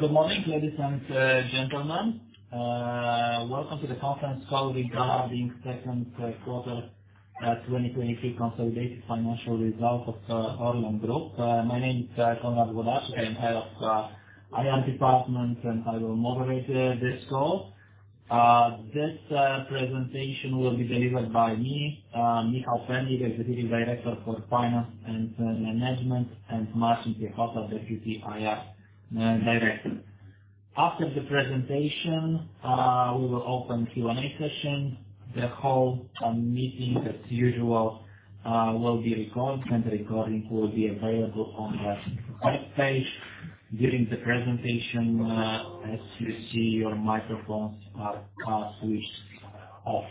Good morning, ladies and gentlemen. Welcome to the conference call regarding second quarter 2023 consolidated financial results of ORLEN Group. My name is Konrad Włodarczyk. I am head of IR Department, and I will moderate this call. This presentation will be delivered by me, Michał Perlik, Executive Director for Finance and Management, and Marcin Piechota, Deputy IR Director. After the presentation, we will open Q&A session. The call, meeting as usual, will be recorded, and the recording will be available on the webpage. During the presentation, as you see, your microphones are switched off.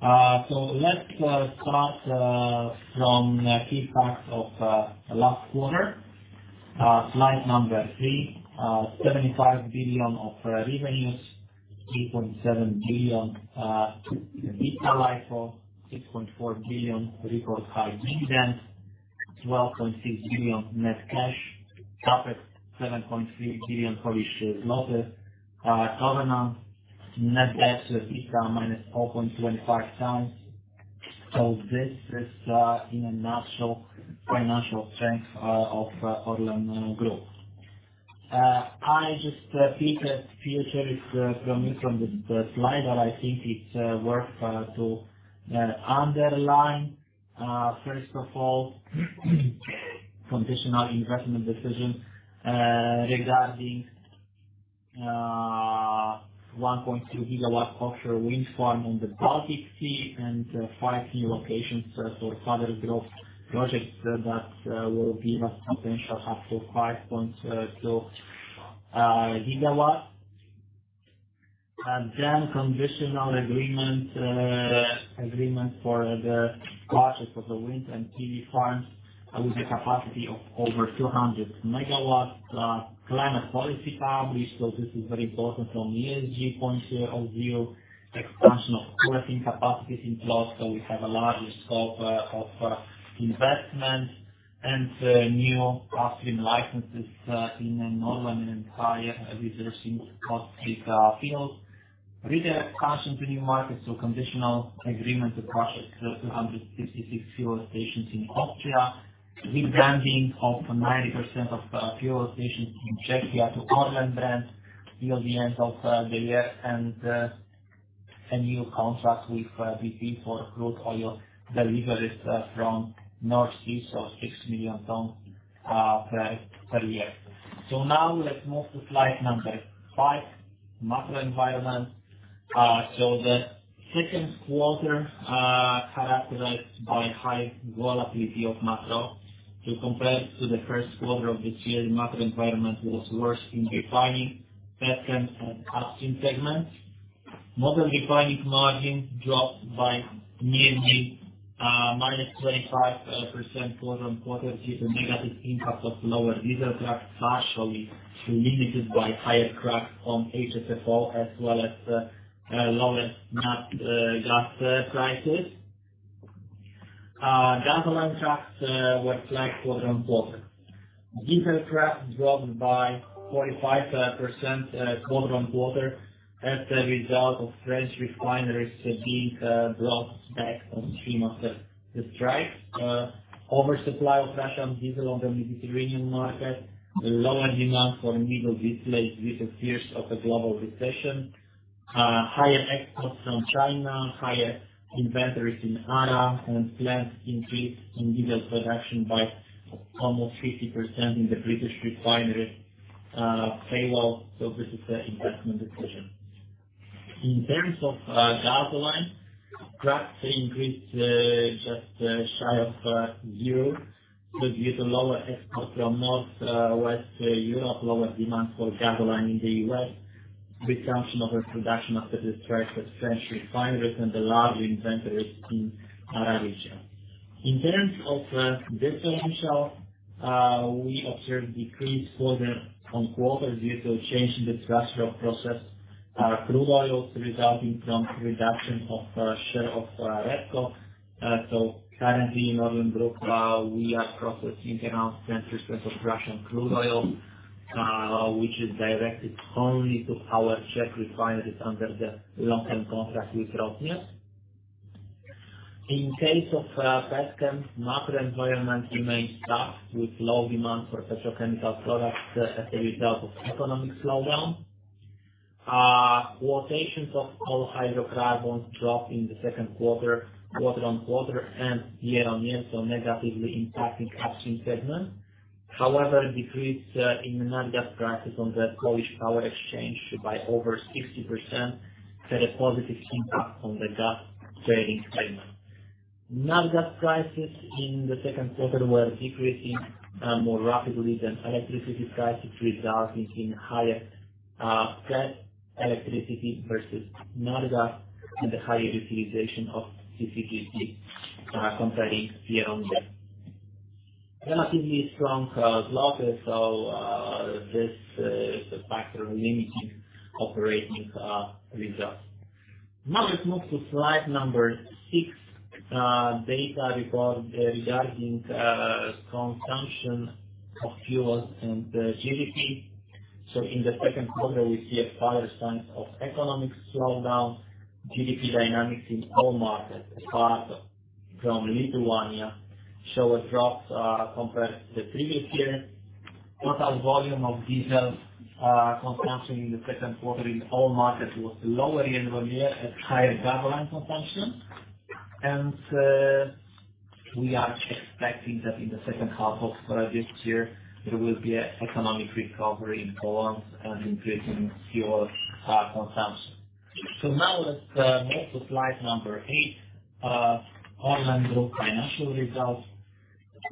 So let's start from key facts of last quarter. Slide 3. 75 billion of revenues, 3.7 billion EBITDA LIFO. 6.4 billion record high dividend, 12.6 billion net cash. CapEx 7.3 billion. Covenant, net debt to EBITDA -4.25x. So this is, in a nutshell, financial strength of ORLEN Group. I just picked a few things from the slide that I think it's worth to underline. First of all, conditional investment decision regarding 1.2 GW offshore wind farm on the Baltic Sea, and five new locations for further growth projects that will give us potential up to 5.2 GW. And then conditional agreement for the purchase of the wind and PV farms, with a capacity of over 200 MW. Climate policy published, so this is very important from ESG point of view. Expansion of trucking capacities in Poland, so we have a larger scope of investment and new upstream licenses in Norway and entire researching across this field. Retail expansion to new markets so conditional agreement to purchase 266 fuel stations in Austria. Rebranding of 90% of fuel stations in Czechia to ORLEN brand near the end of the year. And a new contract with BP for crude oil deliveries from North Sea, so 6 million tons per year. So now let's move to slide number 5, macro environment. So the second quarter characterized by high volatility of macro. So compared to the first quarter of this year, the macro environment was worse in refining, petchem, and upstream segments. Macro refining margin dropped by nearly -25% quarter-on-quarter, due to negative impact of lower diesel crack, partially limited by higher crack on HSFO, as well as lower nat gas prices. Gasoline cracks were flat quarter-on-quarter. Diesel crack dropped by 45% quarter-on-quarter, as a result of French refineries being brought back on stream after the strikes. Oversupply of Russian diesel on the Mediterranean market. Lower demand for middle distillates due to fears of a global recession. Higher exports from China, higher inventories in ARA, and planned increase in diesel production by almost 50% in the British refinery, Fawley. So this is the investment decision. In terms of gasoline, cracks increased just shy of zero. So due to lower export from Northwest Europe, lower demand for gasoline in the US. Reduction of the production after the strike at French refineries, and the large inventories in ARA region. In terms of differential, we observed decrease quarter-on-quarter, due to a change in the structure of processed crude oils, resulting from reduction of share of REBCO. So currently in Orlen Group, we are processing around 10% of Russian crude oil, which is directed only to our Czech refineries under the long-term contract with Rosneft. In case of petchem, macro environment remains tough, with low demand for petrochemical products, as a result of economic slowdown. Quotations of all hydrocarbons dropped in the second quarter, quarter-on-quarter and year-on-year, so negatively impacting upstream segment. However, decrease in the natural gas prices on the Polish power exchange by over 60%, had a positive impact on the gas trading segment. Natural gas prices in the second quarter were decreasing more rapidly than electricity prices, resulting in higher price electricity versus natural gas, and the higher utilization of CCGT compared year-on-year. Relatively strong złoty. So, this is a factor limiting operating results. Now, let's move to slide number 6. Data report regarding consumption of fuels and GDP. So in the second quarter, we see a clear sign of economic slowdown. GDP dynamics in all markets, apart from Lithuania, show a drop compared to the previous year. Total volume of diesel consumption in the second quarter in all markets was lower year-on-year and higher gasoline consumption. We are expecting that in the second half of this year, there will be an economic recovery in Poland and increase in fuel consumption. So now let's move to slide number 8. Orlen Group financial results.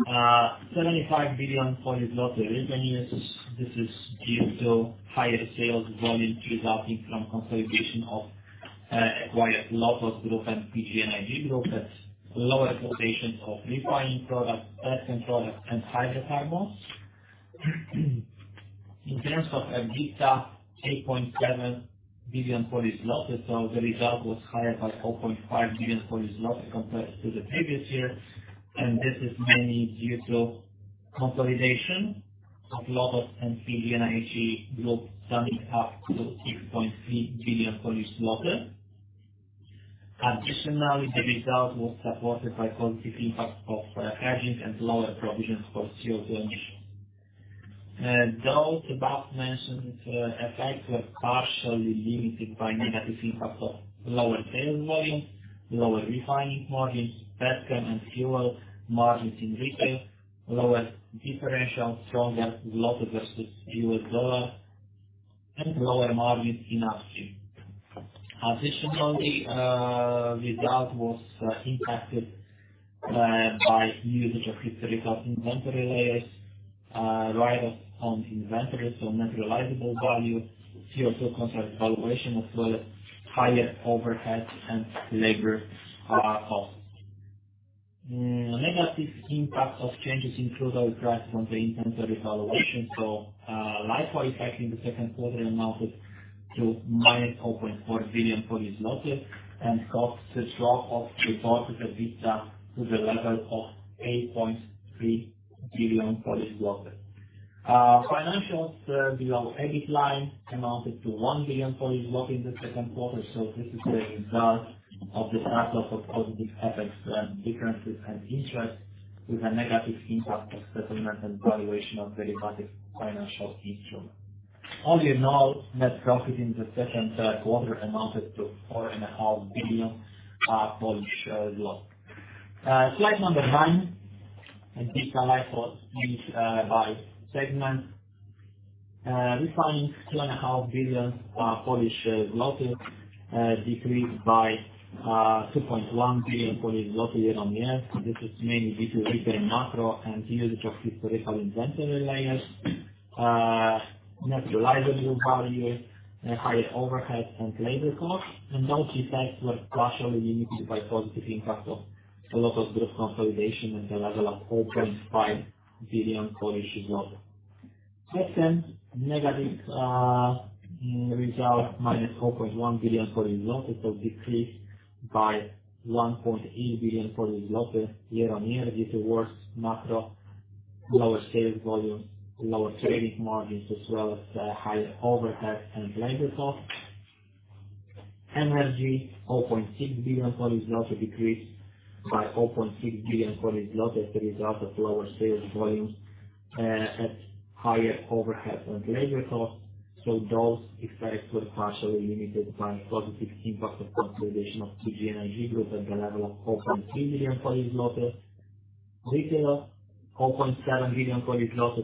75 billion revenues. This is due to higher sales volume resulting from consolidation of acquired Lotos Group and PGNiG Group, as lower rotations of refining products, petrol products, and hydrocarbons. In terms of EBITDA, 8.7 billion, so the result was higher by 4.5 billion compared to the previous year, and this is mainly due to consolidation of Lotos and PGNiG Group, standing up to 8.3 billion. Additionally, the result was supported by positive impact of hedging and lower provisions for CO2 emission. Those above-mentioned effects were partially limited by negative impact of lower sales volume, lower refining margins, petrol and fuel margins in retail, lower differential from the zloty versus U.S. dollar, and lower margins in upstream. Additionally, result was impacted by usage of historical inventory layers, write-offs on inventory, so net realizable value, CO2 contract valuation, as well as higher overhead and labor costs. Negative impact of changes in crude oil price from the inventory valuation. So, like for impact in the second quarter amounted to -PLN 4.4 billion and caused the drop of reported EBITDA to the level of 8.3 billion. Financials below EBIT line amounted to 1 billion in the second quarter. So this is a result of the trade-off of positive effects and differences and interest, with a negative impact of settlement and valuation of derivative financial instrument. All in all, net profit in the second quarter amounted to 4.5 billion. Slide number 9. EBITDA for each by segment. Refining, PLN 2.5 billion, decreased by 2.1 billion Polish zloty year-on-year. This is mainly due to weaker macro and usage of historical inventory layers, net realizable value, higher overhead and labor costs. And those effects were partially limited by positive impact of Lotos Group consolidation at the level of 4.5 billion. Petchem, negative result, minus 4.1 billion, so decreased by 1.8 billion year-on-year, due to worse macro, lower sales volume, lower trading margins, as well as higher overhead and labor costs. Energy, PLN 4.6 billion, decreased by 4.6 billion as the result of lower sales volume and higher overhead and labor costs. So those effects were partially limited by positive impact of consolidation of PGNiG Group at the level of PLN 4.3 billion. Retail, PLN 4.7 billion.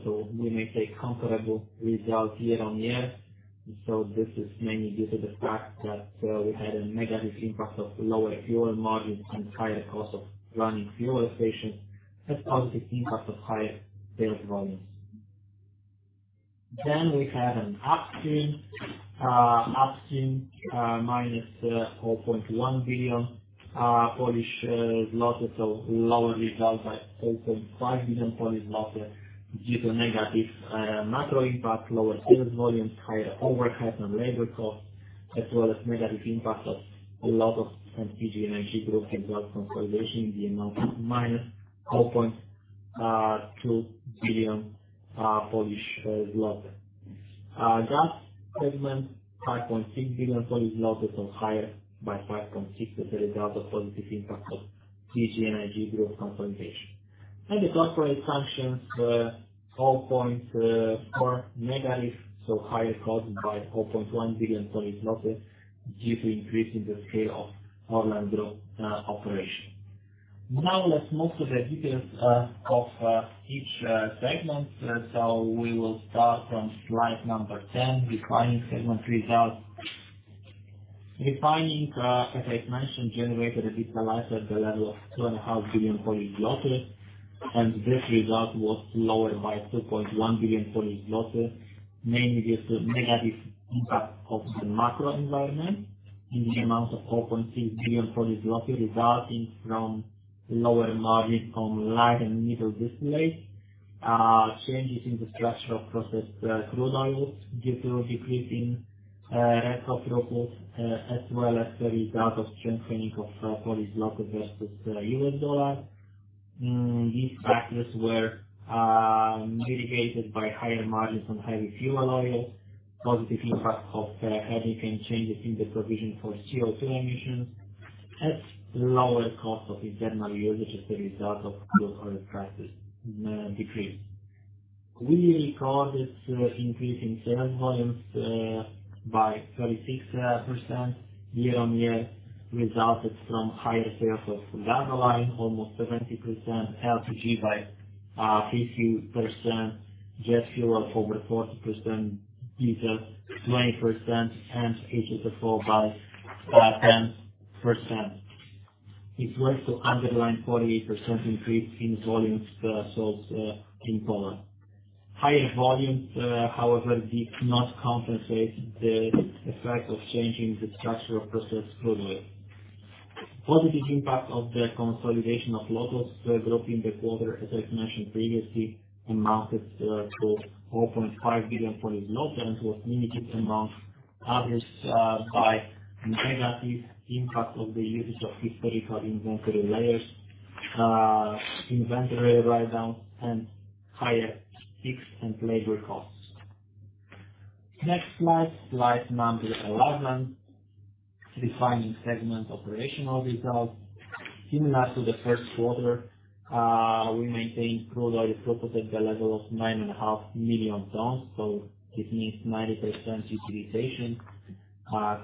So we may say comparable result year-on-year. So this is mainly due to the fact that we had a negative impact of lower fuel margins and higher cost of running fuel stations, as positive impact of higher sales volumes. Then we have an upstream. Upstream, minus 4.1 billion, so lower result by 4.5 billion due to negative macro impact, lower sales volume, higher overhead and labor costs, as well as negative impact of Lotos and PGNiG Group results from consolidation, the amount of minus 4.2 billion. Gas segment, 5.6 billion, so higher by 5.6 as a result of positive impact of PGNiG Group consolidation. And the corporate functions, 4.4 negative, so higher costs by 4.1 billion due to increase in the scale of Orlen Group operation. Now, let's move to the details of each segment. So we will start from slide number 10, refining segment result. Refining, as I mentioned, generated EBITDA at the level of 2.5 billion, and this result was lower by 2.1 billion, mainly due to negative impact of the macro environment in the amount of 4.6 billion, resulting from lower margin from large and middle displays, changes in the structure of processed crude oil, due to decreasing rates of throughput, as well as the result of strengthening of Polish zloty versus US dollar. These factors were mitigated by higher margins on heavy fuel oils, positive impact of hedging, and changes in the provision for CO2 emissions, at lower cost of external usages as a result of crude oil prices decrease. We recorded increase in sales volumes by 36% year-on-year, resulted from higher sales of gasoline, almost 20%, LPG by 50%, jet fuel over 40%, diesel 20%, and HFO by 10%. It led to underlying 48% increase in volumes sold in Poland. Higher volumes, however, did not compensate the effect of changing the structure of processed crude oil. Positive impact of the consolidation of LOTOS group in the quarter, as I've mentioned previously, amounted to 4.5 billion, and was limited among others by negative impact of the usage of historical inventory layers, inventory write-down, and higher fixed and labor costs. Next slide, slide number 11. Refining segment operational results. Similar to the first quarter, we maintained crude oil throughput at the level of 9.5 million tons, so this means 90% utilization.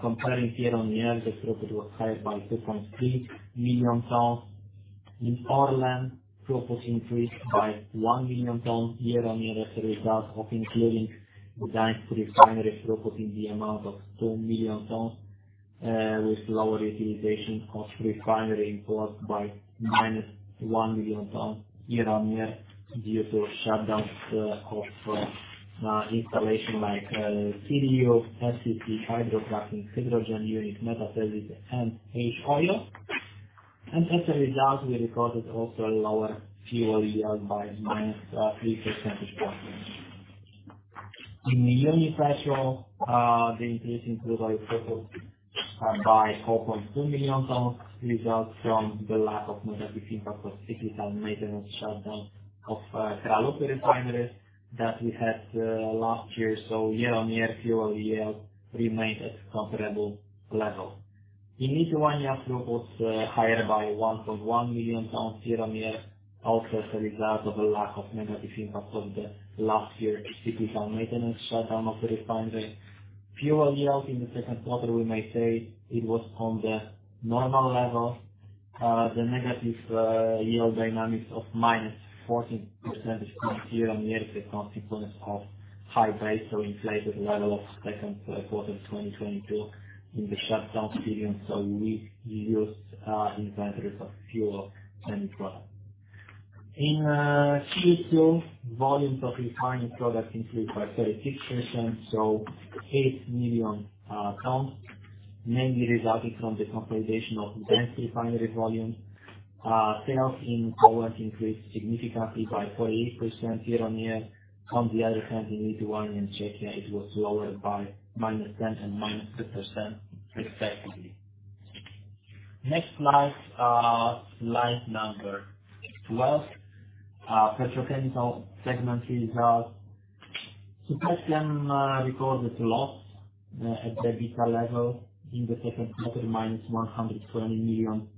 Comparing year-on-year, the throughput was higher by 2.3 million tons. In ORLEN, throughput increased by 1 million tons year-on-year, as a result of including Gdańsk Refinery throughput in the amount of 2 million tons, with lower utilization of refinery in Poland by -1 million tons year-on-year, due to shutdowns of installation like CDU, STP, hydrocracking, hydrogen unit, metathesis, and H-Oil. And as a result, we recorded also a lower fuel yield by -3 percentage points. In Unipetrol, the increase in crude oil throughput by 4.2 million tons results from the lack of negative impact of 60,000 maintenance shutdown of Kralupy refineries that we had last year. So year-on-year, fuel yield remained at comparable level. In Lithuania, throughputs higher by 1.1 million tons year-on-year, also as a result of a lack of negative impact of the last year's 60,000 maintenance shutdown of the refinery. Fuel yield in the second quarter, we may say it was on the normal level. The negative yield dynamics of -14 percentage points year-on-year is a consequence of high base, so inflated level of second quarter 2022 in the shutdown period, so we, we used inventories of fuel and product. In Q2, volumes of refining products increased by 36%, so 8 million tons, mainly resulting from the consolidation of Gdańsk Refinery volumes. Sales in Poland increased significantly by 48% year-on-year. On the other hand, in Lithuania and Czechia, it was lower by -10% and -2% respectively. Next slide, slide number 12. Petrochemical segment results. So segment recorded loss at the EBITDA level in the second quarter, -120 million.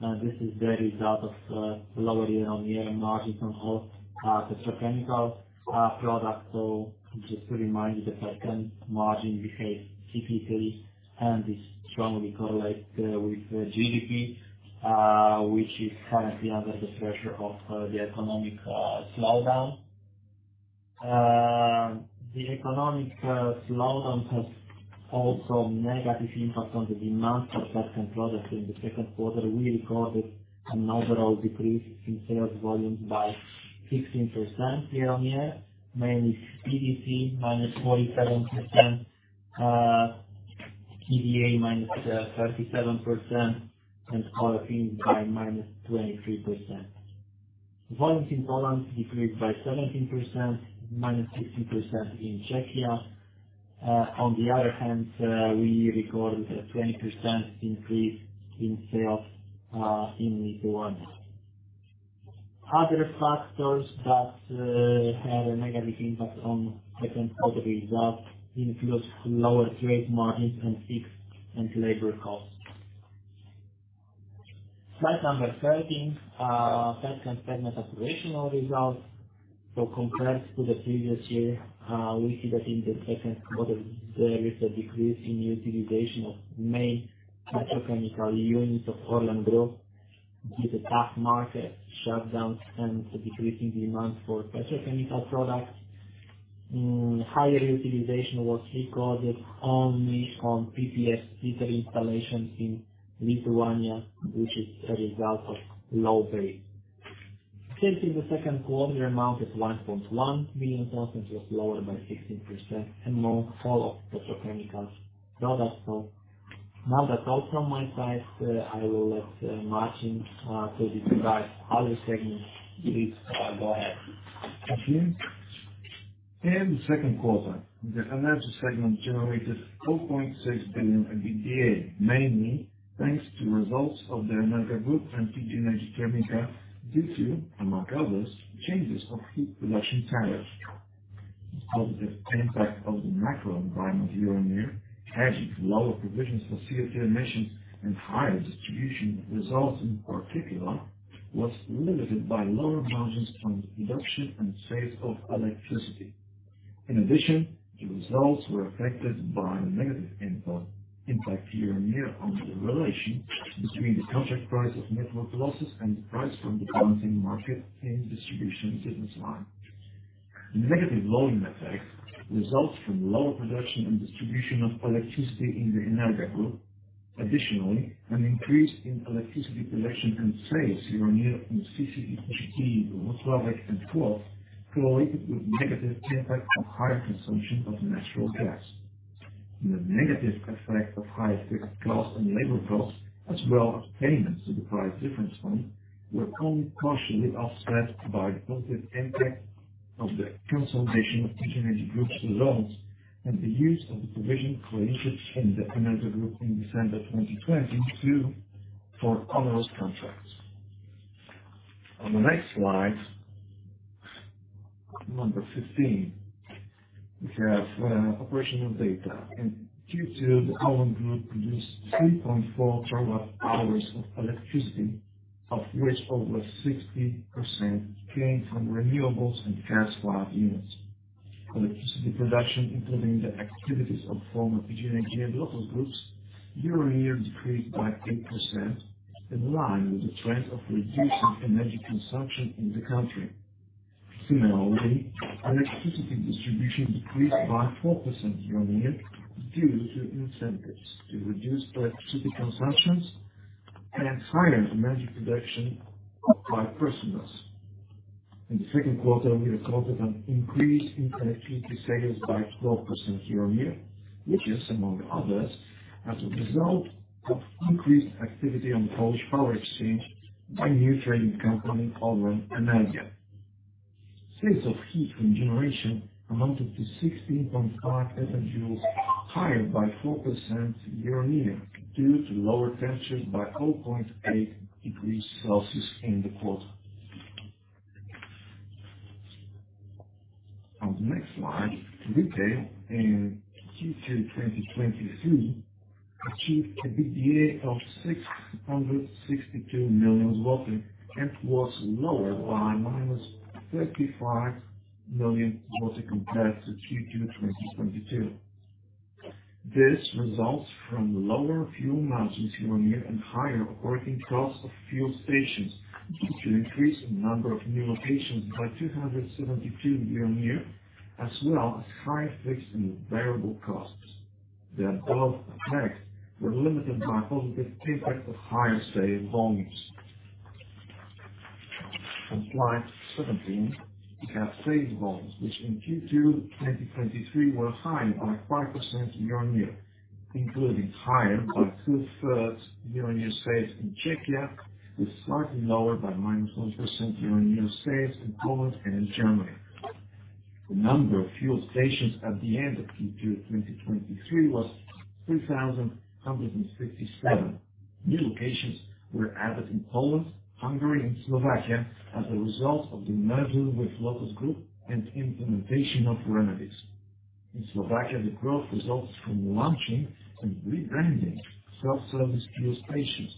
This is the result of lower year-on-year margin from all petrochemical products. So just to remind you, the second margin behaves typically, and this strongly correlate with GDP, which is currently under the pressure of the economic slowdown. The economic slowdown has also negative impact on the demand for certain products. In the second quarter, we recorded an overall decrease in sales volume by 16% year-on-year, mainly PVC, -47%, PDA, -37%, and olefins by -23%. Volumes in Poland decreased by 17%, -16% in Czechia. On the other hand, we recorded a 20% increase in sales in Lithuania. Other factors that had a negative impact on second quarter results includes lower trade margins and fixed and labor costs. Slide number 13. Petchem segment operational results. So compared to the previous year, we see that in the second quarter, there is a decrease in utilization of main petrochemical units of Orlen Group. Due to tough market shutdowns and the decreasing demand for petrochemical products. Higher utilization was recorded only on PPS diesel installations in Lithuania, which is a result of low base. Sales in the second quarter amounted to 1.1 million tons, which was lower by 16% among all of petrochemicals products. Now that's all from my side. I will let Marcin to describe other segments. Please, go ahead. Thank you. In the second quarter, the financial segment generated 4.6 billion EBITDA, mainly thanks to results of the Energa Group and PGNiG Termika, due to, among others, changes of heat production tariffs. The positive impact of the macro environment year-on-year, adding lower provisions for CO2 emissions and higher distribution results, in particular, was limited by lower margins on the production and sales of electricity. In addition, the results were affected by the negative input impact year-on-year on the correlation between the contract price of network losses and the price from the balancing market in distribution business line. The negative volume effect results from lower production and distribution of electricity in the Energa Group. Additionally, an increase in electricity production and sales year-on-year in CCGT group 12 and 12, correlated with negative impact of higher consumption of natural gas. The negative effect of higher fixed costs and labor costs, as well as payments to the price difference fund, were only partially offset by the positive impact of the consolidation of PGNiG Group's loans and the use of the provision created in the Energa Group in December 2022 for onerous contracts. On the next slide, 15, we have operational data, and Q2, the ORLEN Group produced 3.4 TWh of electricity, of which over 60% came from renewables and gas-fired units. Electricity production, including the activities of former PGNiG local groups, year-on-year decreased by 8%, in line with the trend of reducing energy consumption in the country. Similarly, electricity distribution decreased by 4% year-on-year, due to incentives to reduce electricity consumptions and higher energy production by prosumers. In the second quarter, we recorded an increase in electricity sales by 12% year-on-year, which is, among others, as a result of increased activity on Polish power exchange by new trading company, ORLEN Energia. Sales of heat and generation amounted to 16.5 PJ YoY, higher by 4% year-on-year, due to lower temperatures by 0.8 degrees Celsius in the quarter. On the next slide, retail in Q2 2023 achieved an EBITDA of 662 million zloty, and was lower by -35 million zloty compared to Q2 2022. This results from lower fuel margins year-on-year and higher operating costs of fuel stations, due to increase in number of new locations by 272 year-on-year, as well as higher fixed and variable costs. The above effects were limited by positive impact of higher sales volumes. On slide 17, we have sales volumes, which in Q2 2023 were higher by 5% year-on-year, including higher by two-thirds year-on-year sales in Czechia, with slightly lower by -1% year-on-year sales in Poland and Germany. The number of fuel stations at the end of Q2 2023 was 3,167. New locations were added in Poland, Hungary, and Slovakia as a result of the merger with LOTOS Group and implementation of remedies. In Slovakia, the growth results from launching and rebranding self-service fuel stations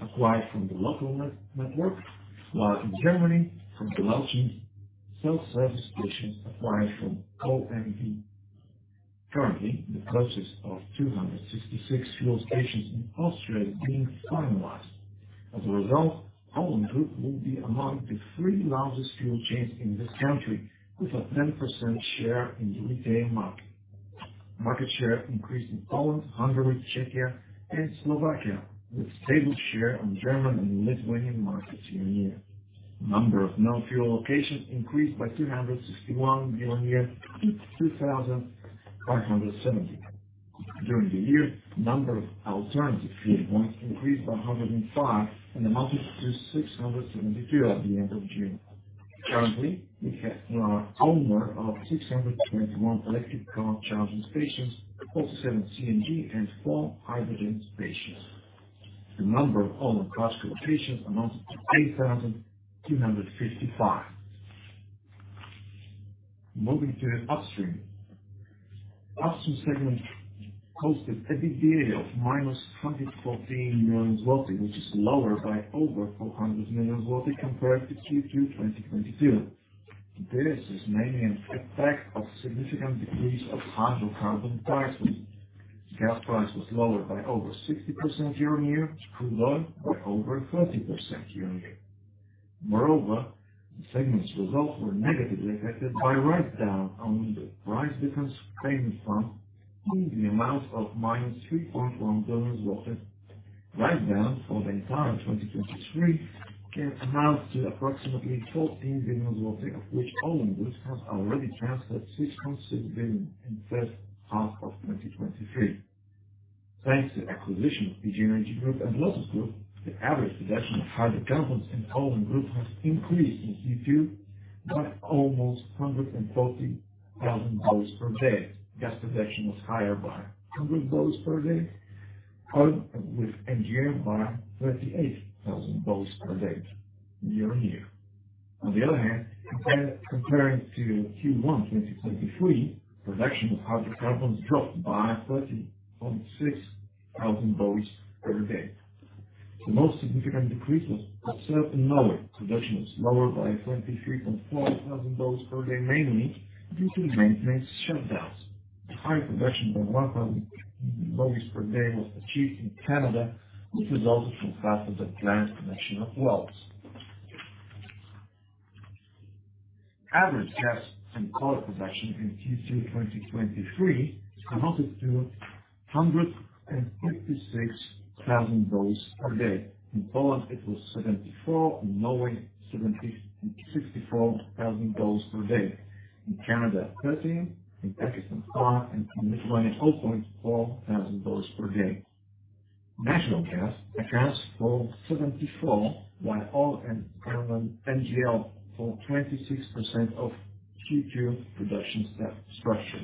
acquired from the local network, while in Germany, from the launching self-service stations acquired from OMV. Currently, the process of 266 fuel stations in Austria is being finalized. As a result, ORLEN Group will be among the three largest fuel chains in this country, with a 10% share in the retail market. Market share increased in Poland, Hungary, Czechia, and Slovakia, with stable share on German and Lithuanian markets year-on-year. Number of non-fuel locations increased by 261 year-on-year to 2,570. During the year, number of alternative fuel points increased by 105, and amounted to 672 at the end of June. Currently, we have... We are owner of 621 electric car charging stations, 47 CNG, and 4 hydrogen stations. The number of ORLEN Card locations amounted to 8,255. Moving to the upstream. Upstream segment posted a EBITDA of -114 million, which is lower by over 400 million compared to Q2 2022. This is mainly an effect of significant decrease of hydrocarbon prices. Gas price was lower by over 60% year-on-year, crude oil by over 30% year-on-year. Moreover, the segment's results were negatively affected by write down on the price difference payment fund in the amount of -PLN 3.1 billion. Write down for the entire 2023, came out to approximately 14 billion, of which ORLEN Group has already transferred 600 million in first half of 2023. Thanks to acquisition of PGNiG Group and Lotos Group, the average production of hydrocarbons in ORLEN Group has increased in Q2 by almost 140,000 barrels per day. Gas production was higher by 100 barrels per day, oil with NGL by 38,000 barrels per day, year-on-year. On the other hand, comparing to Q1 2023, production of hydrocarbons dropped by 30.6 thousand barrels per day. The most significant decrease was observed in Norway. Production was lower by 23.4 thousand barrels per day, mainly due to maintenance shutdowns. A higher production by 100 barrels per day was achieved in Canada, which resulted from faster than planned connection of wells. Average gas and oil production in Q2 2023 amounted to 156 thousand barrels per day. In Poland, it was 74, in Norway, 70 and 64 thousand barrels per day. In Canada, 13, in Egypt, and 5, and in Lithuania, 0.4 thousand barrels per day. Natural gas accounts for 74%, while oil and NGL for 26% of Q2 production staff structure.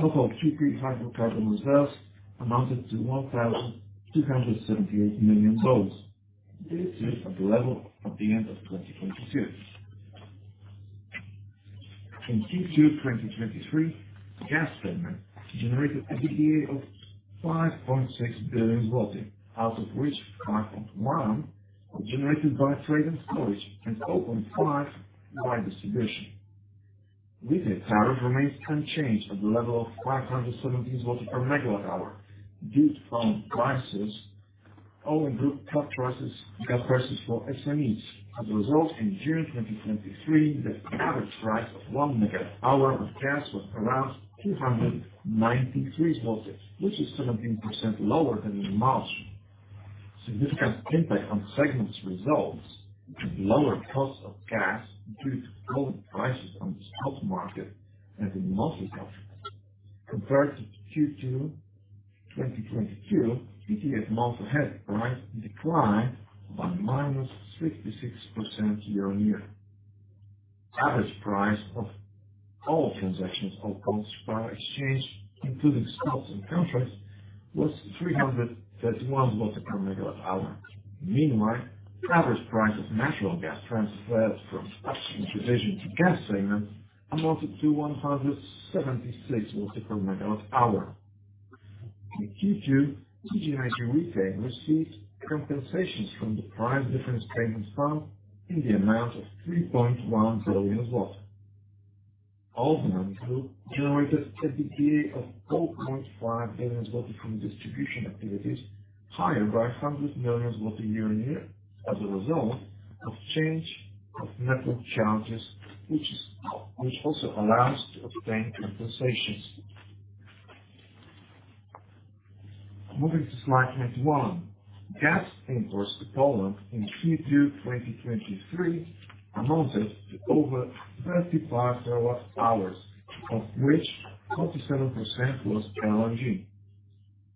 Total Q2 hydrocarbon reserves amounted to 1,278 million barrels. This is at the level at the end of 2022. In Q2 2023, gas segment generated an EBITDA of 5.6 billion, out of which 5.1 were generated by trade and storage, and 0.5 by distribution. Retail tariff remains unchanged at the level of 570 PLN per MWh. Due to TTF prices, ORLEN Group cut gas prices for SMEs. As a result, in June 2023, the average price of one MWh of gas was around 293 PLN, which is 17% lower than in March. Significant impact on segment's results, lower cost of gas due to current prices on the stock market and the monthly contract. Compared to Q2 2022, TTF month ahead price declined by -66% year-on-year. Average price of all transactions, of course, by exchange, including spots and contracts, was 331 PLN per MWh. Meanwhile, average price of natural gas transferred from subsidiary division to gas segment amounted to PLN 176 per MWh. In Q2, PG Energy Retail received compensations from the Price Difference Payments Fund in the amount of 3.1 billion. ORLEN Group generated a EBITDA of 4.5 billion from distribution activities, higher by 100 million year-on-year, as a result of change of network charges, which also allows to obtain compensations. Moving to slide 21. Gas imports to Poland in Q2 2023 amounted to over 35 TWh, of which 47% was LNG.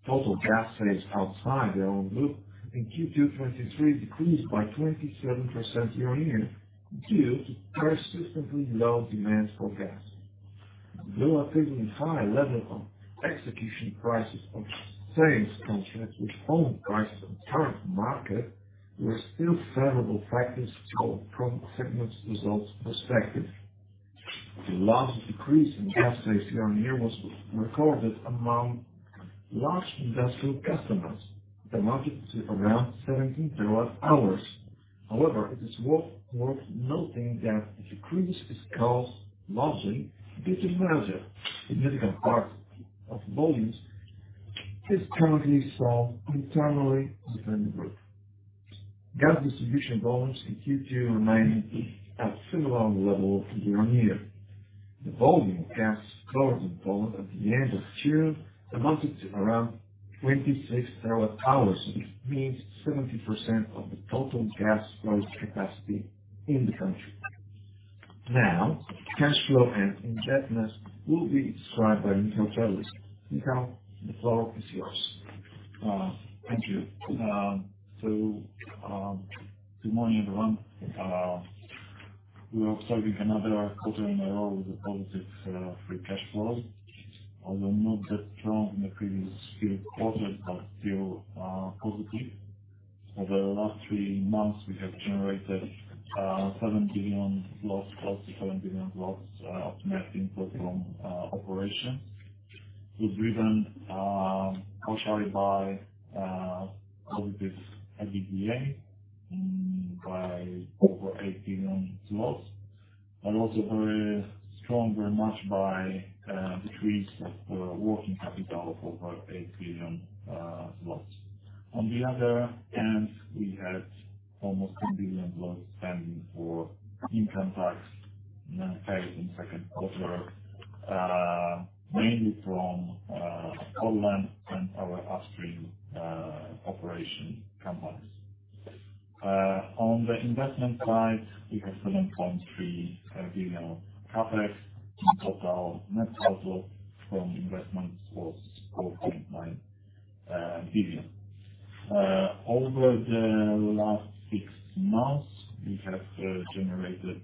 Total gas sales outside the ORLEN Group in Q2 2023 decreased by 27% year-on-year, due to persistently low demand for gas. Though attaining high level of execution prices of sales contracts with own prices on current market, were still favorable factors from segment's results perspective. The largest decrease in gas sales year-on-year was recorded among large industrial customers. The market is around 17 TWh. However, it is worth noting that the decrease is caused largely due to weather. A significant part of volumes is currently from internally defending group. Gas distribution volumes in Q2 remained at similar level year-on-year. The volume of gas stored in Poland at the end of Q2 amounted to around 26 TWh, which means 70% of the total gas storage capacity in the country. Now, cash flow and indebtedness will be described by Michał Perlik. Michał, the floor is yours. Thank you. So, good morning, everyone. We are observing another quarter in a row with a positive free cash flow. Although not that strong in the previous few quarters, but still positive. Over the last three months, we have generated 7 billion, close to 7 billion, of net inflow from operations. It's driven partially by positive EBITDA by over PLN 8 billion, and also very strong, very much by decrease of working capital of over 8 billion. On the other hand, we had almost 10 billion spending for income tax and then PLN 30 billion in second quarter, mainly from Poland and our upstream operation companies. On the investment side, we have 7.3 billion CapEx. In total, net outflow from investments was 4.9 billion. Over the last six months, we have generated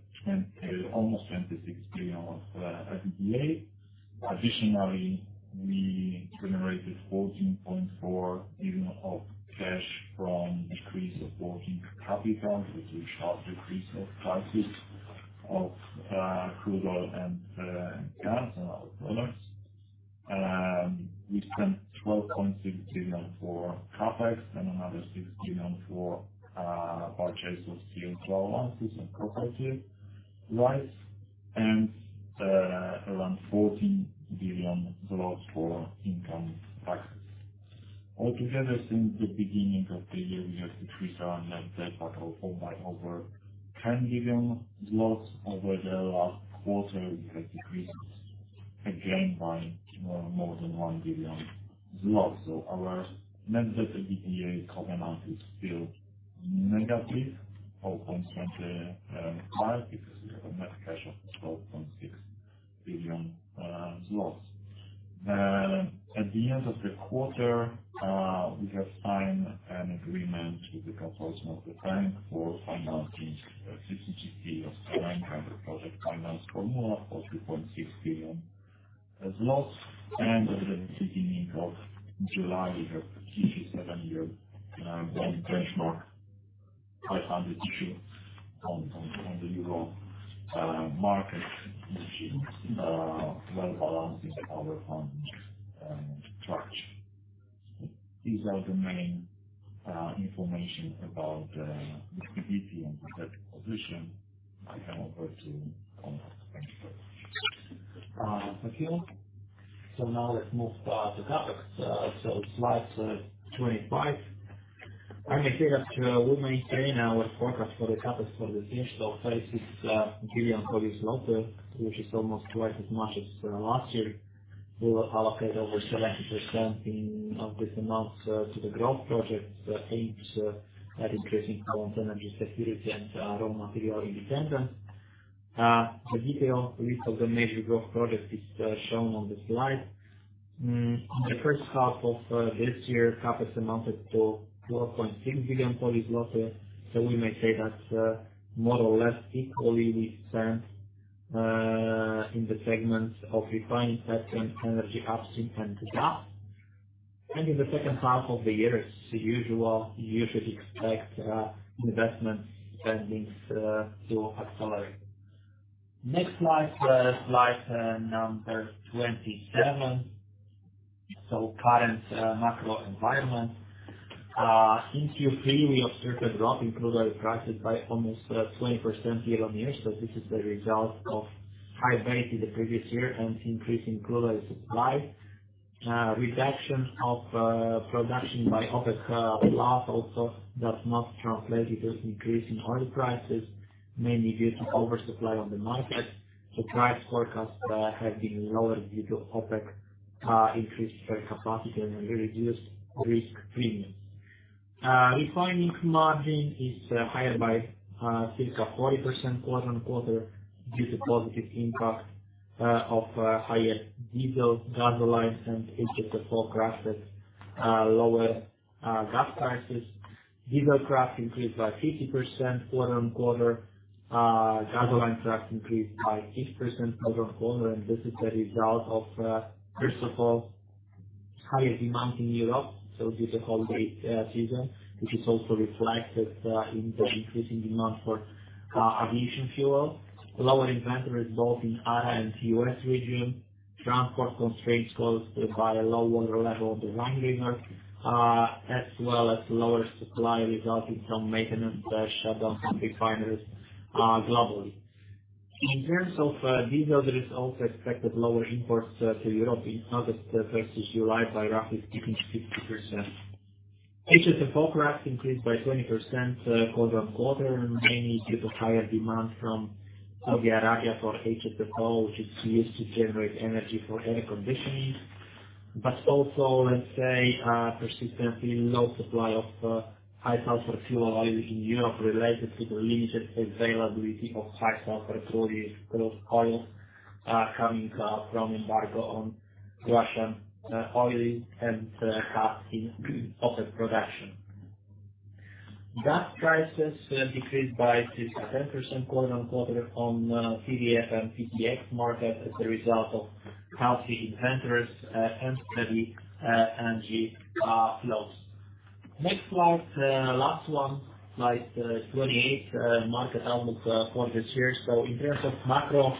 almost 26 billion of EBITDA. Additionally, we generated 14.4 billion of cash from decrease of working capital, due to sharp decrease of prices of crude oil and gas and other products. We spent PLN 12.6 billion for CapEx, and another PLN 6 billion for purchase of CO2 allowances and property rights, and around PLN 14 billion for income taxes. Altogether, since the beginning of the year, we have decreased our net debt by over 10 billion zlotys. Over the last quarter, we have decreased again by more than 1 billion. Our net debt-to-EBITDA covenant is still negative 0.25, because we have a net cash of 12.6 billion zlotys. At the end of the quarter, we have signed an agreement with the consortium of banks for financing 60 GW of 900 project finance for 2.6 billion. And at the beginning of July, we have issued seven-year green benchmark EUR 500 million issue on the euro market, which well balances our fund structure. These are the main information about PKN Orlen and the debt position. I hand over to Marcin. Thank you. Thank you. So now let's move to CapEx. So slide 25. I may say that we maintain our forecast for the CapEx for this year. So PLN 36 billion, which is almost twice as much as last year. We will allocate over 70% of this amount to the growth projects aimed at increasing our energy security and raw material independence. The detailed list of the major growth projects is shown on the slide. In the first half of this year, CapEx amounted to 4.6 billion, so we may say that more or less equally we spent in the segments of refining segment, energy upstream and gas. In the second half of the year, it's usual, you should expect investment spendings to accelerate. Next slide, slide number 27. So current macro environment. Since Q3, we observed a drop in crude oil prices by almost 20% year-on-year. So this is the result of high base in the previous year, and increasing crude oil supply. Reduction of production by OPEC+, also does not translate into increase in oil prices, mainly due to oversupply on the market. So price forecast have been lower due to OPEC increased capacity and a reduced risk premium. Refining margin is higher by circa 40% quarter-on-quarter, due to positive impact of higher diesel, gasoline, and HFO prices, lower gas prices. Diesel price increased by 50% quarter-on-quarter. Gasoline price increased by 6% quarter-on-quarter, and this is a result of, first of all, higher demand in Europe, so due to holiday season. Which is also reflected in the increasing demand for aviation fuel. Lower inventories, both in ARA and U.S. region. Transport constraints caused by a low water level of the Rhine River, as well as lower supply, resulting from maintenance shutdowns and refineries, globally. In terms of diesel, there is also expected lower imports to Europe in August versus July, by roughly 15%-50%. HFO price increased by 20%, quarter-on-quarter, mainly due to higher demand from Saudi Arabia for HFO, which is used to generate energy for air conditioning. But also, let's say, persistently low supply of high sulfur fuel oil in Europe, related to the limited availability of high sulfur crude oil coming from embargo on Russian oil and cut in other production. Gas prices decreased by circa 10% quarter-on-quarter on TGE and TTF market, as a result of healthy inventories and steady LNG flows. Next slide, last one, slide 28. Market outlook for this year. So in terms of macro,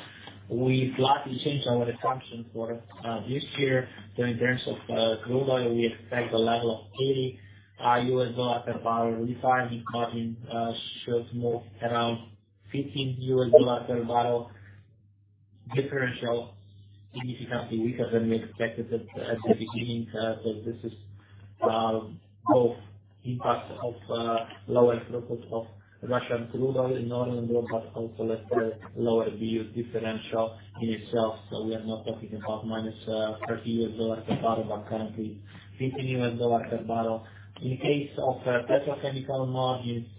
we slightly changed our assumption for this year. So in terms of crude oil, we expect the level of $80 per barrel. Refining margin should move around $15 per barrel. Differential significantly weaker than we expected at the beginning. So this is both impact of lower throughput of Russian crude oil in northern Europe, but also less lower fuel differential in itself. So we are not talking about -$30 per barrel, but currently $15 per barrel. In case of petrochemical margins,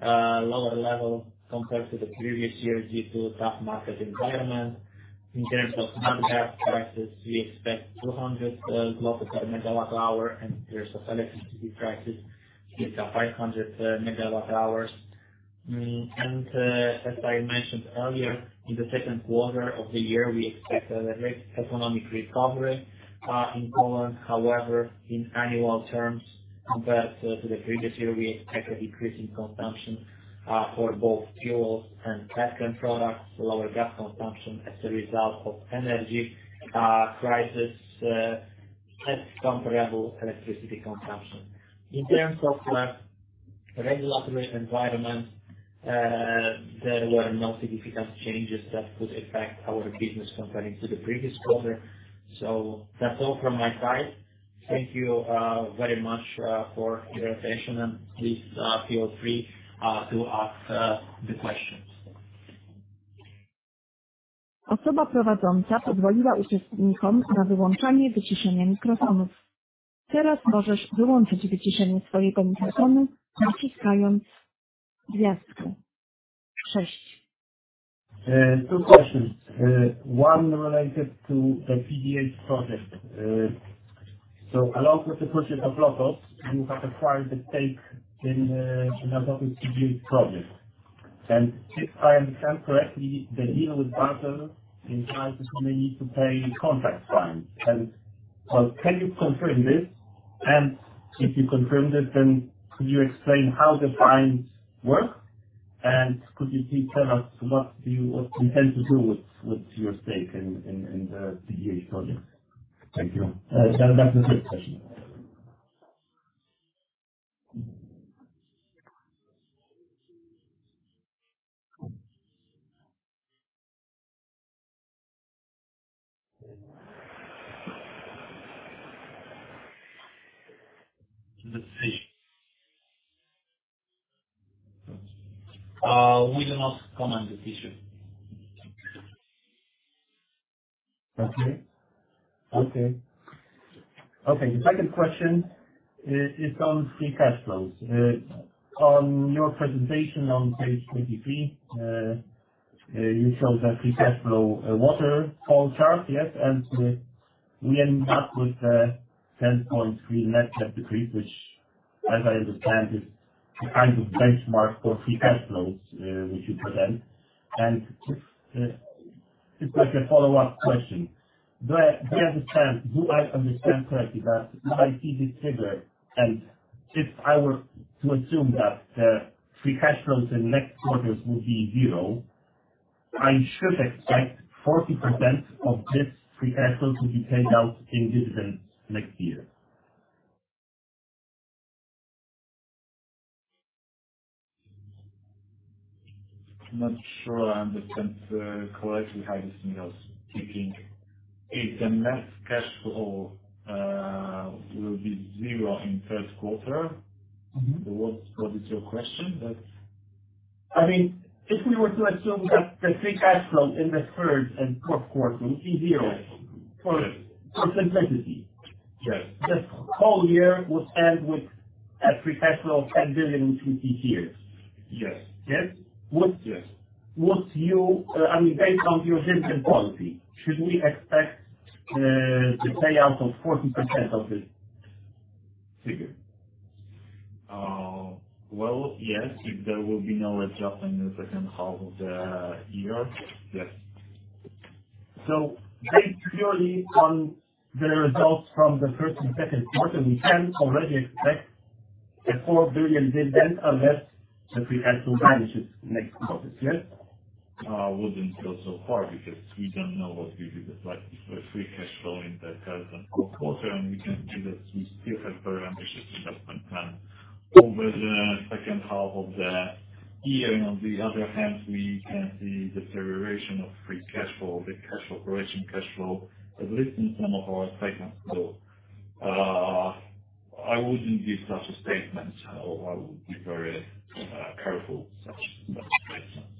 a lower level compared to the previous year, due to tough market environment. In terms of natural gas prices, we expect PLN 200 per MWh, and in terms of electricity prices, it's up PLN 500 per MWh. And as I mentioned earlier, in the second quarter of the year, we expect a late economic recovery in Poland. However, in annual terms, compared to the previous year, we expect a decrease in consumption for both fuel and petroleum products. Lower gas consumption as a result of energy crisis and comparable electricity consumption. In terms of regulatory environment, there were no significant changes that could affect our business comparing to the previous quarter. So that's all from my side. Thank you very much for your attention, and please feel free to ask the questions. Two questions. One related to the PGNiG project. So along with the purchase of LOTOS, you have acquired the stake in LOTOS PGNiG project. And if I understand correctly, the deal with Bartow entitled the company to pay contract fines. And can you confirm this? And if you confirm this, then could you explain how the fines work, and could you please tell us what you intend to do with your stake in the PGNiG project? Thank you. That's the first question. We do not comment this issue. Okay. Okay. Okay, the second question is on free cash flows. On your presentation on page 23, you showed the free cash flow waterfall chart, yes? And, we end up with 10.3 net debt decrease, which as I understand, is the kind of benchmark for free cash flows, which you present. And just like a follow-up question, do I understand correctly that if I see this figure, and if I were to assume that the free cash flows in next quarters will be zero, I should expect 40% of this free cash flow to be paid out in dividends next year? Not sure I understand correctly how this is thinking. If the net cash flow will be zero in first quarter- Mm-hmm. What is your question? I mean, if we were to assume that the free cash flow in the third and fourth quarter will be zero- Yes. for simplicity. Yes. The whole year would end with a free cash flow of 10 billion. Yes. Yes? Yes. I mean, based on your dividend policy, should we expect the payout of 40% of this figure? Well, yes, if there will be no adjustment in the second half of the year, yes. Based purely on the results from the first and second quarter, we can already expect a 4 billion dividend, unless the free cash flow vanishes next quarter, yes? I wouldn't go so far because we don't know what will be the free cash flow in the third and fourth quarter, and we can see that we still have very ambitious investment plan over the second half of the year. On the other hand, we can see deterioration of free cash flow, the cash operation, cash flow, at least in some of our segments. So, I wouldn't give such a statement, or I would be very careful with such, such statements.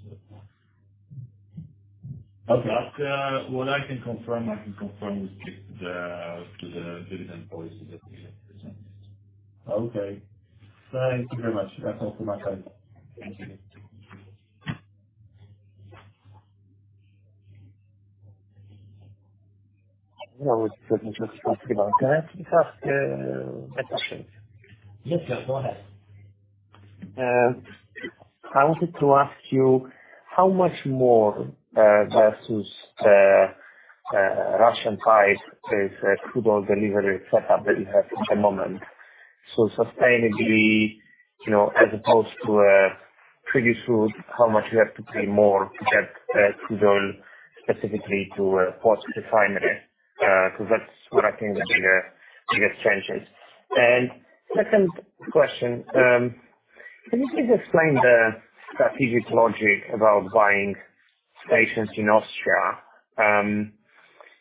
Okay. What I can confirm, I can confirm we stick to the dividend policy that we have presented. Okay, thank you very much. That's all from my side. Thank you. Yes, yes, go ahead. I wanted to ask you, how much more, versus, Russian price is, crude oil delivery setup that you have at the moment? So sustainably, you know, as opposed to, previous route, how much you have to pay more to get, crude oil specifically to, Płock refinery? Because that's where I think the biggest change is. And second question... Can you please explain the strategic logic about buying stations in Austria?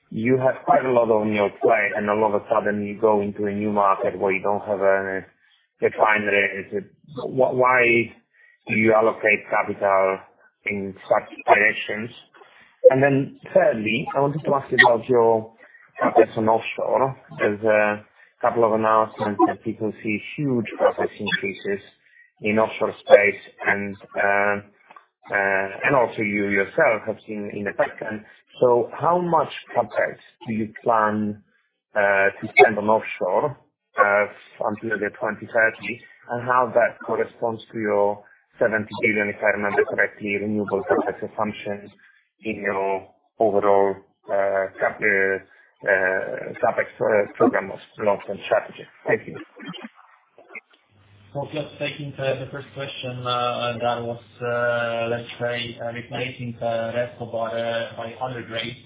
You have quite a lot on your plate, and all of a sudden you go into a new market where you don't have any refineries. So why do you allocate capital in such directions? And then thirdly, I wanted to ask you about your focus on offshore. There's a couple of announcements that people see huge CapEx increases in offshore space, and also you yourself have seen in the background. So how much CapEx do you plan to spend on offshore until 2030? And how that corresponds to your 70 billion, if I remember correctly, renewable CapEx assumptions in your overall CapEx program of long-term strategy. Thank you. So let's take the first question, that was, let's say, replacing RESCO by other grades.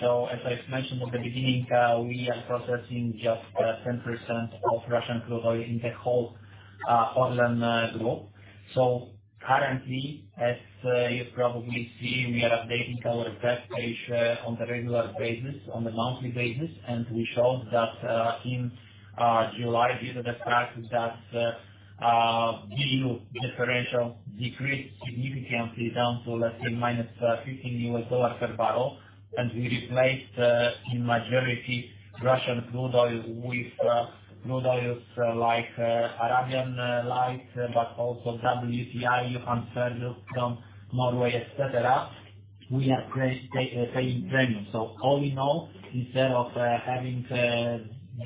So as I've mentioned at the beginning, we are processing just 10% of Russian crude oil in the whole Orlen Group. So currently, as you probably see, we are updating our web page on the regular basis, on the monthly basis. And we showed that in July, due to the fact that BU differential decreased significantly down to, let's say, minus $15 per barrel. And we replaced in majority Russian crude oil with crude oils like Arabian Light, but also WTI, Johan Sverdrup from Norway, et cetera. We are paying premium. All in all, instead of having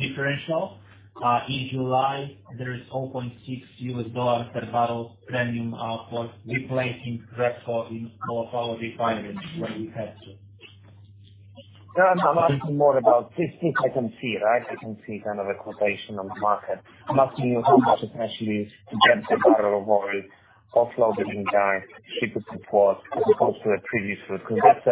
differential in July, there is $0.6 per barrel premium for replacing RESCO in all of our refineries where we have to. No, I'm asking more about this. This I can see, right? I can see kind of a quotation on the market. I'm asking you how much it actually is to get the barrel of oil offloaded in Gdańsk seaport as opposed to the previous one. Because that's,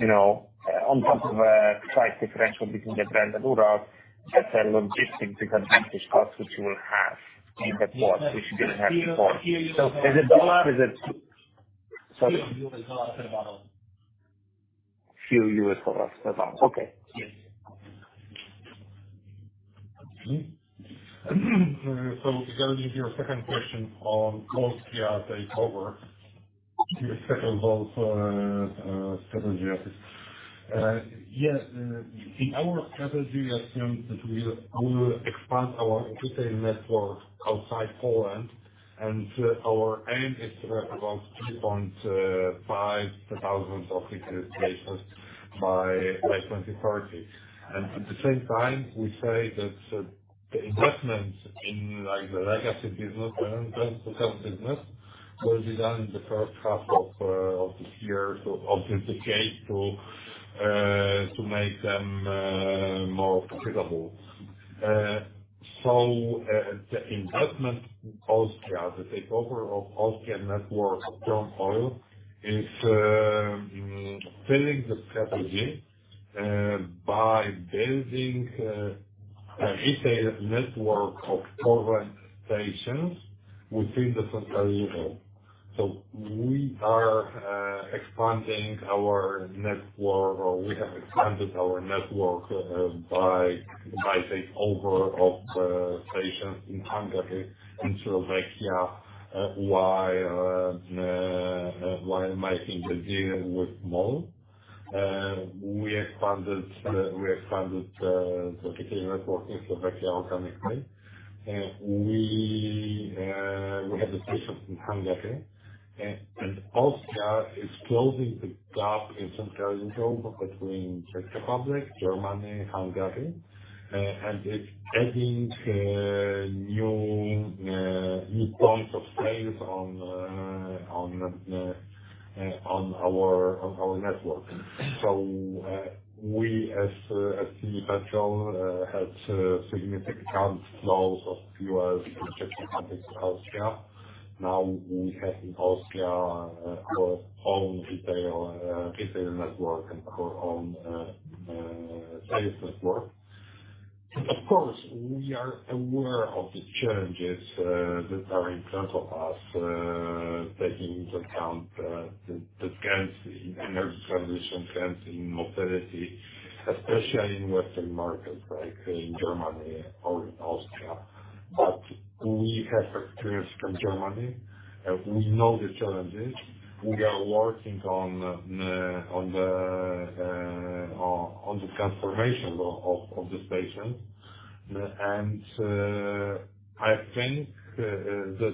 you know, on top of a price differential between the Brent and Urals, that's a logistic disadvantage cost, which you will have in the port, which you didn't have before. Few, few- So, is it dollar? Is it...? Sorry. Few U.S. dollars per barrel. Few U.S. dollars per barrel. Okay. Yes. So regarding your second question on Austria takeover. The second of strategy. Yes, in our strategy, I think that we will expand our retail network outside Poland, and our aim is to have about 3,500 retail stations by 2030. And at the same time, we say that the investment in, like, the legacy business and business will be done in the first half of this year. So of the decade to make them more profitable. So the investment in Austria, the takeover of Austrian network from OMV is fitting the strategy by building a retail network of current stations within the Central Europe. So we are expanding our network, or we have expanded our network, by takeover of stations in Hungary, in Slovakia, while making the deal with MOL. We expanded the retail network in Slovakia organically, and we have the stations in Hungary. And Austria is closing the gap in Central Europe between Czech Republic, Germany, Hungary, and it's adding new points of sales on our network. So we as PKN ORLEN had significant car flows of fuels from Czech Republic to Austria. Now we have in Austria our own retail network and our own sales network. Of course, we are aware of the challenges that are in front of us, taking into account the trends in energy transition, trends in mobility, especially in Western markets like in Germany or in Austria. But we have experience from Germany, and we know the challenges. We are working on the transformation of the stations. And I think the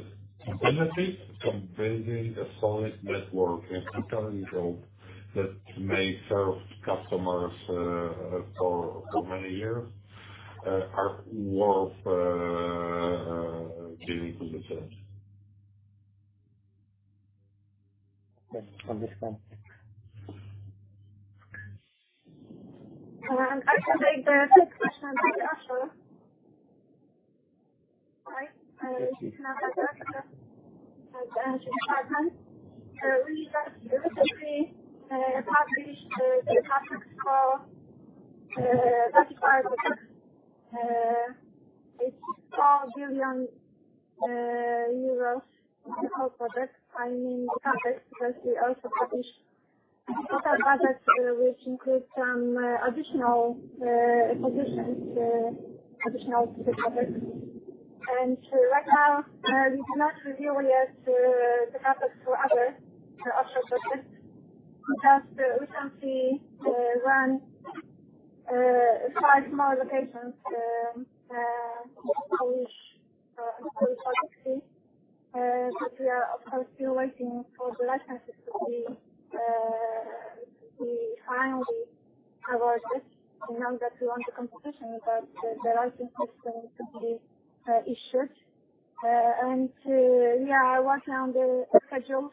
benefits from building a solid network in Central Europe that may serve customers for many years are worth doing the change. Yes, I understand. I can take the third question on offshore. Right, energy department. We just recently published the topics. That's part of it. It's EUR 4 billion the whole project. I mean, the project, because we also publish project which includes some additional positions additional to the project. Right now, we do not review yet the projects for other offshore projects. Just recently won 5 small locations, which we are of course still waiting for the licenses to be finally awarded now that we won the competition, but the licensing system to be issued. Yeah, I work on the schedules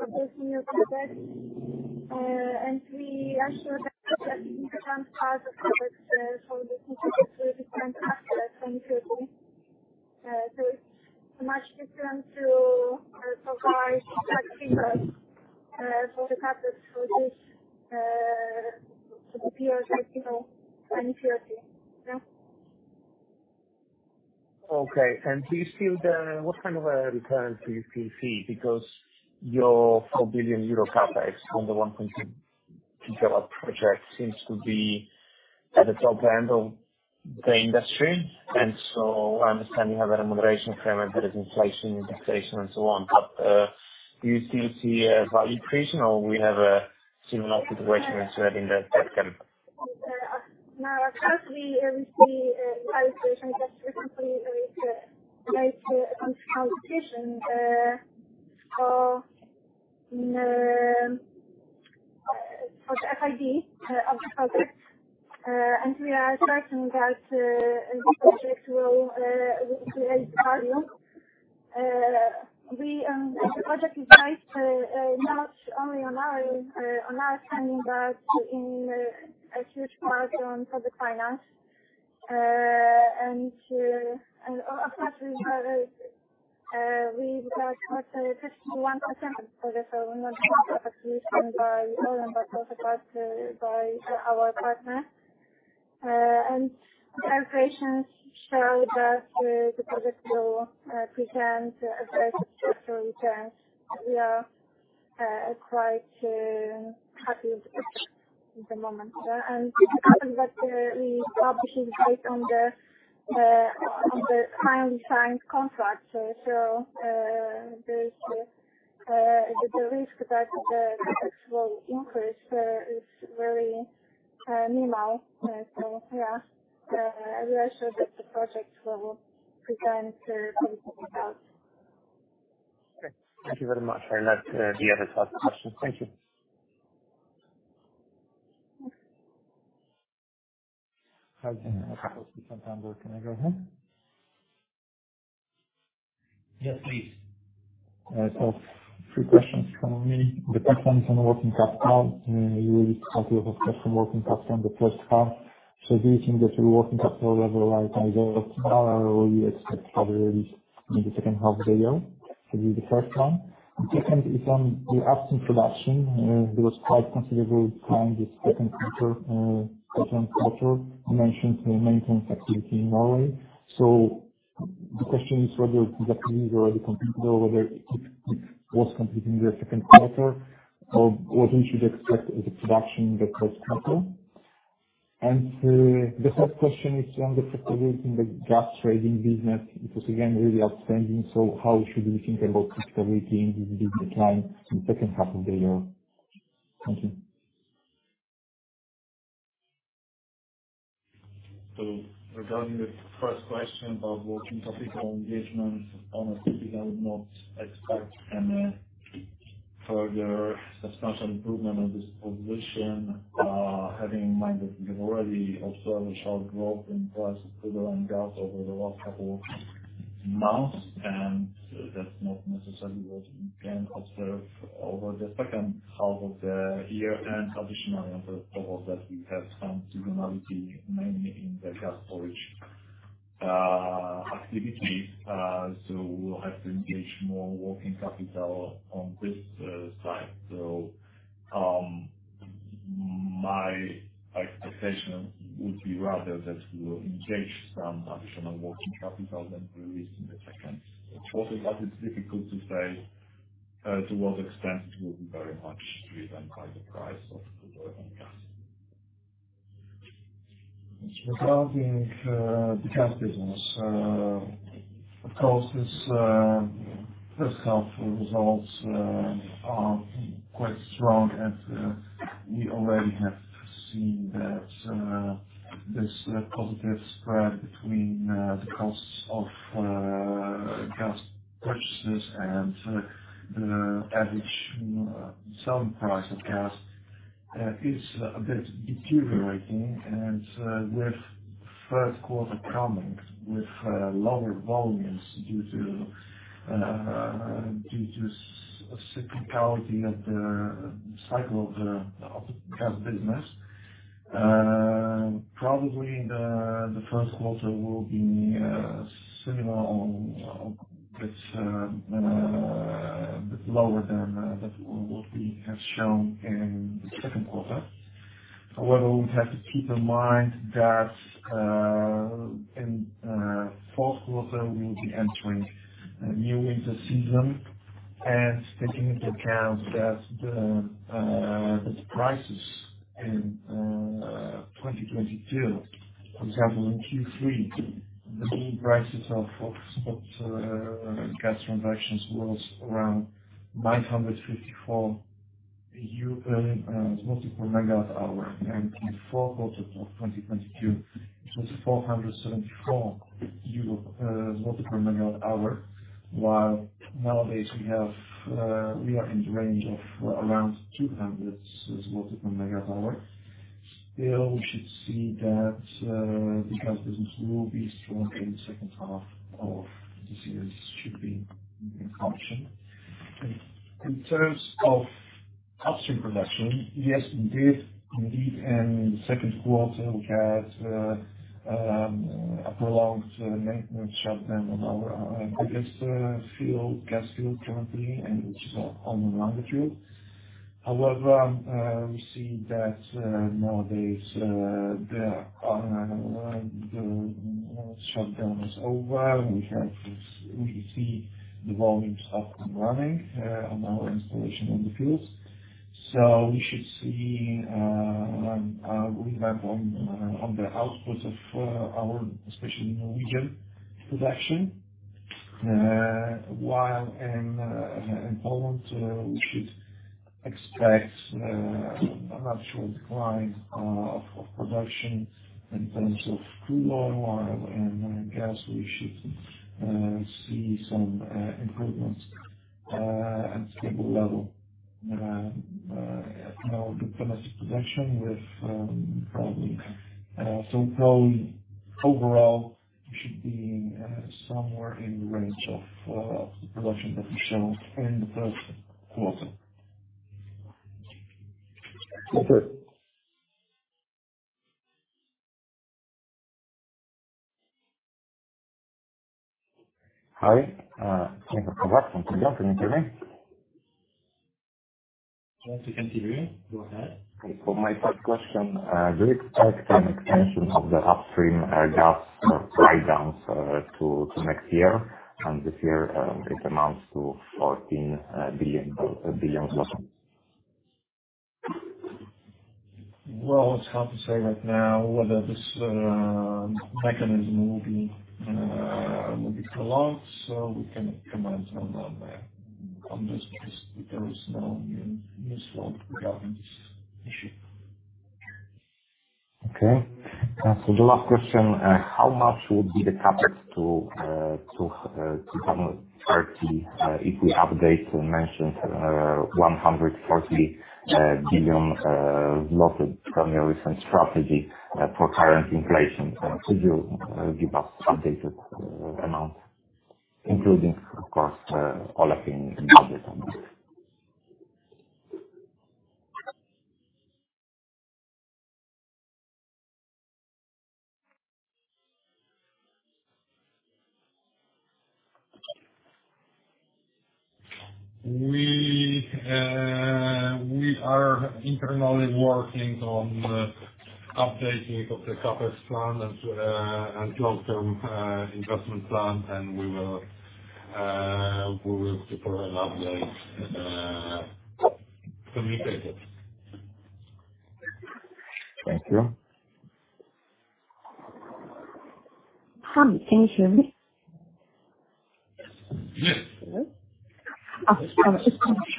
of this new project. We are sure that important part of projects for this different aspect from previous years. So it's much different to provide for the projects for this year, you know, than previously. Yeah. Okay. Do you feel the... What kind of a return do you still see? Because your 4 billion euro CapEx on the 1.2 development project seems to be at the top end of the industry, and so I understand you have a remuneration framework that is inflation, taxation, and so on. But, do you still see a value creation, or we have a similar situation as you had in the past time? Now, of course, we see value creation that recently made a competition for the FID of the project. We are certain that this project will create value. The project is based not only on our standing, but in a huge part on project finance. Of course, we have got 51% for this solution by all, but also by our partner. The operations show that the project will present a very successful return. We are quite happy with it at the moment. But we published it based on the finally signed contract. So, there's the risk that the actual increase is very minimal. So, yeah, I'm sure that the project will present good results. Okay. Thank you very much. And that's the other last question. Thank you. Hi, can I go ahead? Yes, please. So three questions from me. The first one is on working capital. You will have some working capital in the first half. So do you think that your working capital level, like, earlier, probably in the second half of the year? It will be the first one. The second is on the upstream production. It was quite considerable time, this second quarter, second quarter, you mentioned the maintenance activity in Norway. So the question is whether the activities are already completed or whether it was completed in the second quarter, or what we should expect as a production in the first quarter? And the third question is on the profitability in the gas trading business. It was again, really outstanding. So how should we think about profitability in the decline in second half of the year? Thank you. Regarding the first question about working capital engagement, honestly, I would not expect any further substantial improvement on this position. Having in mind that we've already observed a sharp growth in price of crude oil and gas over the last couple months, and that's not necessarily what we can observe over the second half of the year. Additionally, on top of that, we have some seasonality, mainly in the gas storage activities. We will have to engage more working capital on this side. My expectation would be rather that we will engage some additional working capital than release in the second quarter. But it's difficult to say to what extent it will be very much driven by the price of crude oil and gas. Regarding the gas business, of course, this first half results are quite strong, and we already have seen that this positive spread between the costs of gas purchases and the average selling price of gas is a bit deteriorating. And with first quarter coming with lower volumes due to cyclicality of the cycle of the gas business, probably the first quarter will be similar on its bit lower than what we have shown in the second quarter.... However, we have to keep in mind that, in fourth quarter, we will be entering a new winter season, and taking into account that the prices in 2022, for example, in Q3, the mean prices of gas transactions was around 954 EUR/MWh. And in fourth quarter of 2022, it was 474 EUR/MWh, while nowadays we have, we are in the range of around 200 EUR/MWh. Still, we should see that the gas business will be strong in the second half of this year. Should be in production. In terms of upstream production, yes, we did indeed, in the second quarter, we had a prolonged maintenance shutdown on our biggest field, gas field currently, and which is on Ormen Lange. However, we see that nowadays the shutdown is over. We have, we see the volumes up and running on our installation on the fields. So we should see a rebound on the outputs of our especially Norwegian production. While in Poland, we should expect a natural decline of production in terms of crude oil and gas. We should see some improvements at stable level, you know, the domestic production with probably... So probably overall, we should be somewhere in the range of production that we showed in the first quarter. Over. Hi, from beyond, can you hear me? Yes, we can hear you. Go ahead. For my first question, do you expect an extension of the upstream gas write-downs to next year? And this year, it amounts to 14 billion. Well, it's hard to say right now whether this mechanism will be prolonged, so we cannot comment on that, on this, because there is no new law regarding this issue. Okay. So the last question, how much would be the CapEx to, to, 2030, if we update mentioned, 140 billion from your recent strategy, for current inflation? Could you give us updated amount, including, of course, all up in budget? We, we are internally working on updating of the CapEx plan and, and long-term, investment plan, and we will, we will prepare an update, communicate it. Thank you. Hi, can you hear me? Yes. Just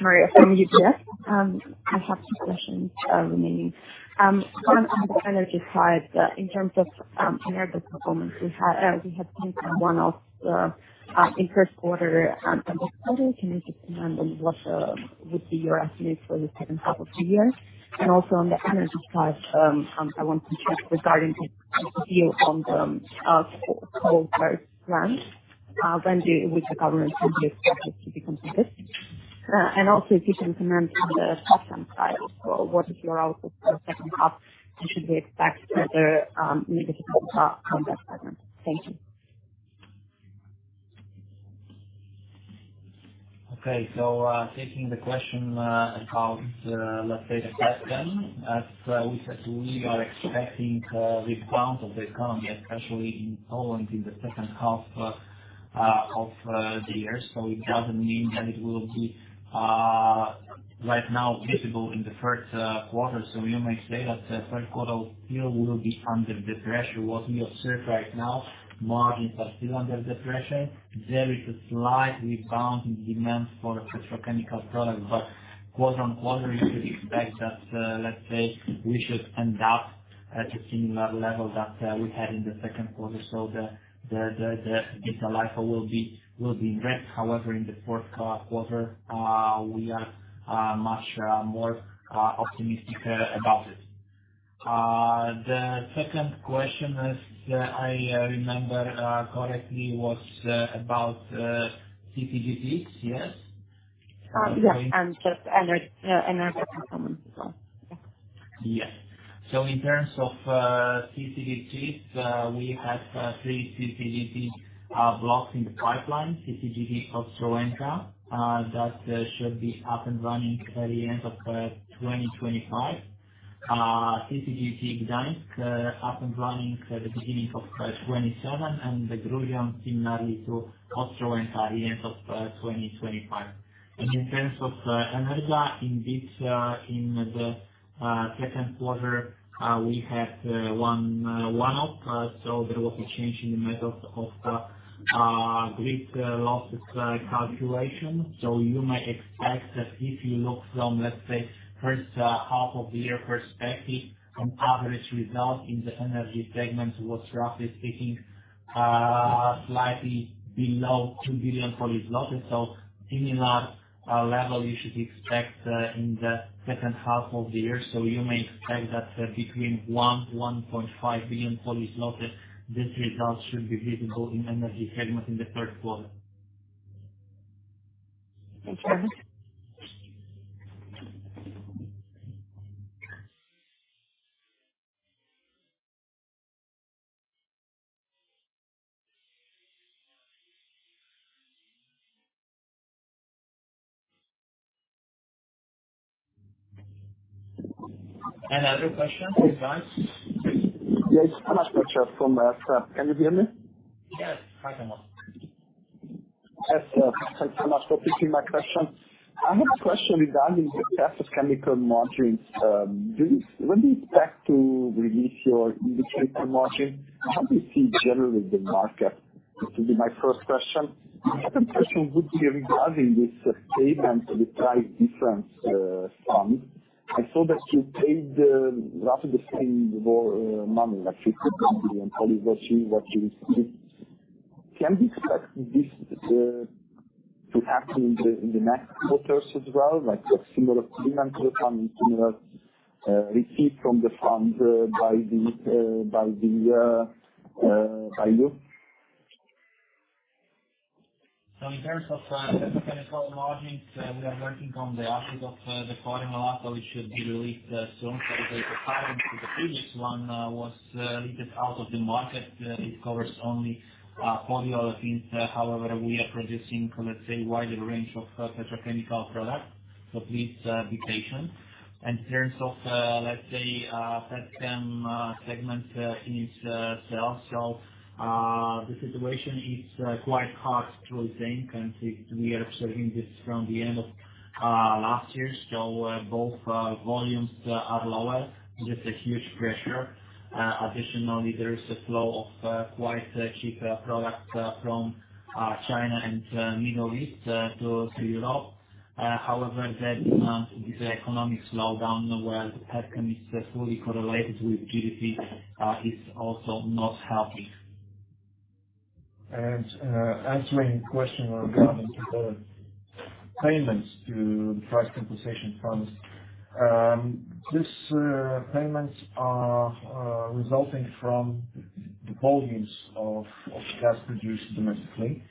sorry, I muted here. I have two questions remaining. On the energy side, in terms of energy performance, we had seen some one-off in first quarter. Can you just comment on what would be your estimate for the second half of the year? And also on the energy side, I want to check regarding your view on the coal power plant, when which the government would be expected to be completed. And also if you can comment on the CapEx side, so what is your outlook for the second half, and should we expect further significant CapEx spend? Thank you. Okay. So, taking the question about let's say the CapEx, as we said, we are expecting a rebound of the economy, especially in Poland, in the second half of the year. So it doesn't mean that it will be right now visible in the first quarter. So you may say that the first quarter here will be under the pressure. What we observe right now, margins are still under the pressure. There is a slight rebound in demand for petrochemical products, but quarter-on-quarter, you should expect that let's say we should end up at a similar level that we had in the second quarter. So the vital life will be red. However, in the fourth quarter, we are much more optimistic about it. The second question, as I remember correctly, was about CCGT, yes? Yes, and just energy performance as well. Yeah. Yes. So in terms of CCGT, we have three CCGT blocks in the pipeline. CCGT Ostrołęka, that should be up and running by the end of 2025. CCGT Gdańsk, up and running at the beginning of 2027, and the third one, similarly to Ostrołęka, at the end of 2025. In terms of energy, indeed, in the second quarter, we had a one-off. So there will be change in the methods of the grid losses calculation. So you may expect that if you look from, let's say, first half of the year perspective, on average, result in the energy segment was, roughly speaking, slightly below 2 billion. So similar level you should expect in the second half of the year. You may expect that between 1 billion-1.5 billion, this result should be visible in energy segment in the third quarter. Thank you. Another question, please go on. Yes, ​Tamás Pletser from Erste. Can you hear me? Yes, hi, ​Tamás. Yes, thanks so much for taking my question. I have a question regarding the rest of chemical margins. When do you expect to release your indicator margin? How do you see generally the market? This will be my first question. The second question would be regarding this payment to the price difference fund. I saw that you paid roughly the same money that you put into the fund, what you received. Can we expect this to happen in the next quarters as well, like a similar payment will come in similar receipt from the fund by you? So in terms of, petrochemical margins, we are working on the update of, the quarter mark, so it should be released, soon. But the pattern to the previous one, was, little out of the market. It covers only, polyolefins. However, we are producing, let's say, wider range of petrochemical products, so please, be patient. In terms of, let's say, petchem, segment, in itself. So, the situation is, quite hard to think, and we are observing this from the end of, last year. So, both, volumes are lower. There's a huge pressure. Additionally, there is a flow of, quite a cheap, product, from, China and, Middle East, to Europe. However, that is an economic slowdown, where petchem is fully correlated with GDP, is also not helping. Answering question regarding the payments to the price compensation funds. This payments are resulting from the volumes of gas produced domestically.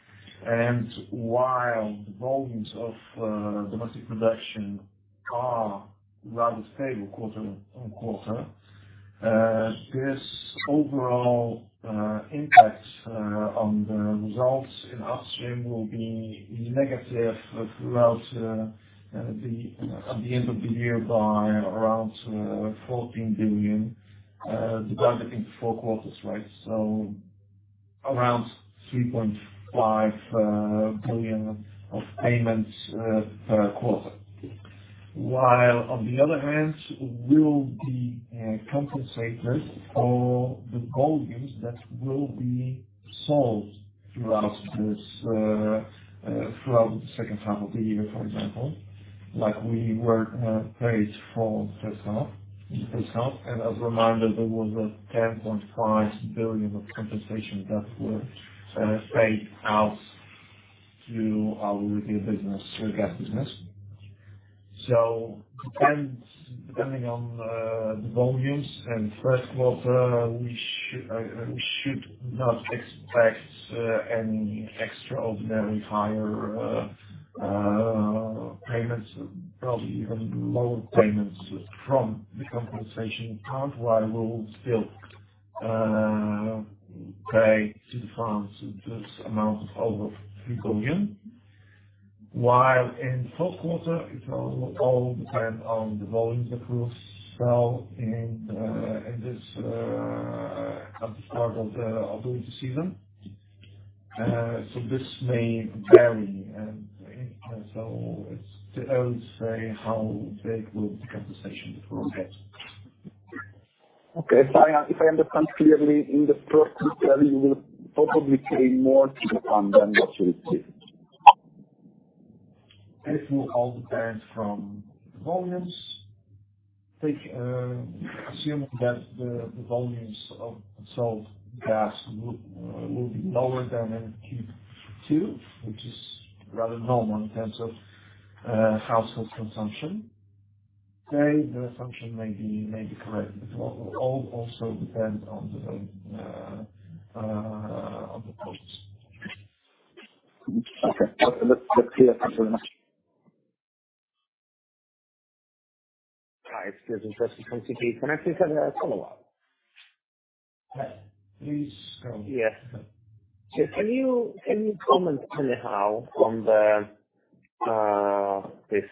And while the volumes of domestic production are rather stable quarter on quarter, this overall impact on the results in upstream will be negative throughout at the end of the year, by around 14 billion divided into four quarters, right? So around 3.5 billion of payments per quarter. While on the other hand, we will be compensated for the volumes that will be sold throughout the second half of the year, for example, like we were paid for the first half. As a reminder, there was 10.5 billion of compensation that were paid out to our retail business, gas business. So depends, depending on the volumes and first quarter, we should, we should not expect any extraordinary higher payments, probably even lower payments from the compensation part, while we will still pay to the funds this amount of over 3 billion. While in fourth quarter, it will all depend on the volumes that we'll sell in this at the start of the winter season. So this may vary, and, and so it's too early to say how big will be compensation for okay. Okay, so if I understand clearly, in the first quarter, you will probably pay more to the fund than what you receive? It will all depend from the volumes. Take, assuming that the volumes of sold gas will be lower than in Q2, which is rather normal in terms of household consumption. Okay, the assumption may be correct, but it will all also depend on the costs. Okay. That's clear. Thank you very much. Hi, Piotr Dzięciołowski from Citi. Can actually hear me? Hello.... Please go. Yes. So can you, can you comment anyhow on the, this,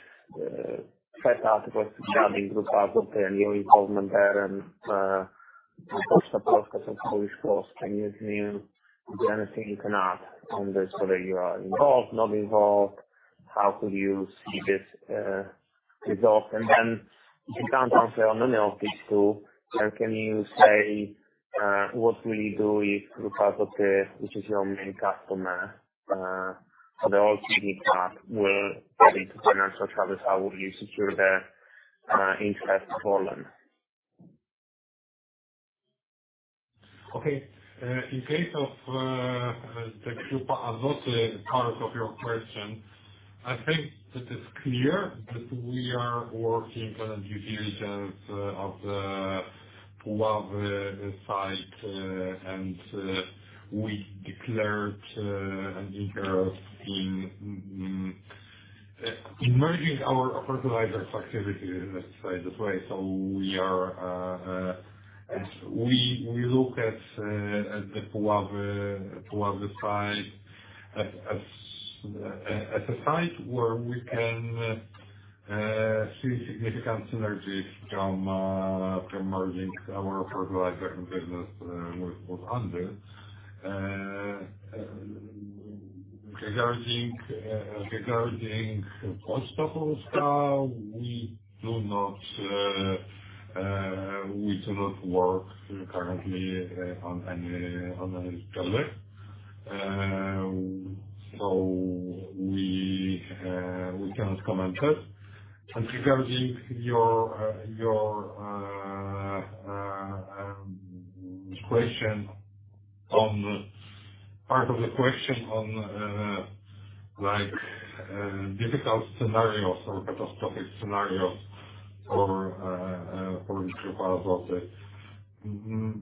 first article with the Grupa Azoty out there and your involvement there and, can you, is there anything you can add on this, whether you are involved, not involved? How could you see this, resolved? And then if you can't answer on any of these two, then can you say, what will you do if Grupa Azoty, which is your main customer, for the olefins, will get into financial trouble, how will you secure the, sales volume? Okay. In case of the Grupa Azoty, part of your question, I think it is clear that we are working on due diligence of the Puławy site, and we declared an interest in merging our fertilizers activity, let's say it this way. So we are. We look at the Puławy site as a site where we can see significant synergies from merging our fertilizer business with ANWIL. Regarding Ostrołęka, we do not work currently on any project. So we cannot comment it. And regarding your question on... Part of the question on, like, difficult scenarios or catastrophic scenarios for Grupa Azoty.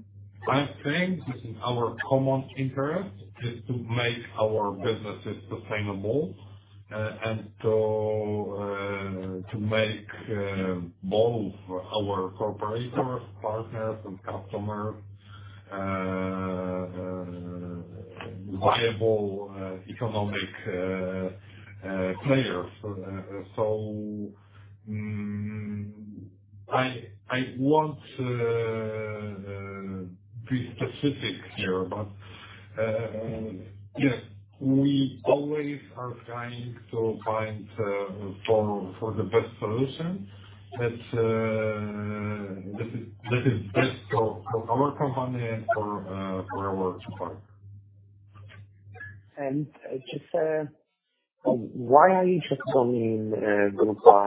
I think this is our common interest, to make our businesses sustainable. And so, to make both our corporations, partners and customers viable economic players. So, I want to be specific here, but yeah, we always are trying to find the best solution that is best for our company and for our client. Just why are you interested in Grupa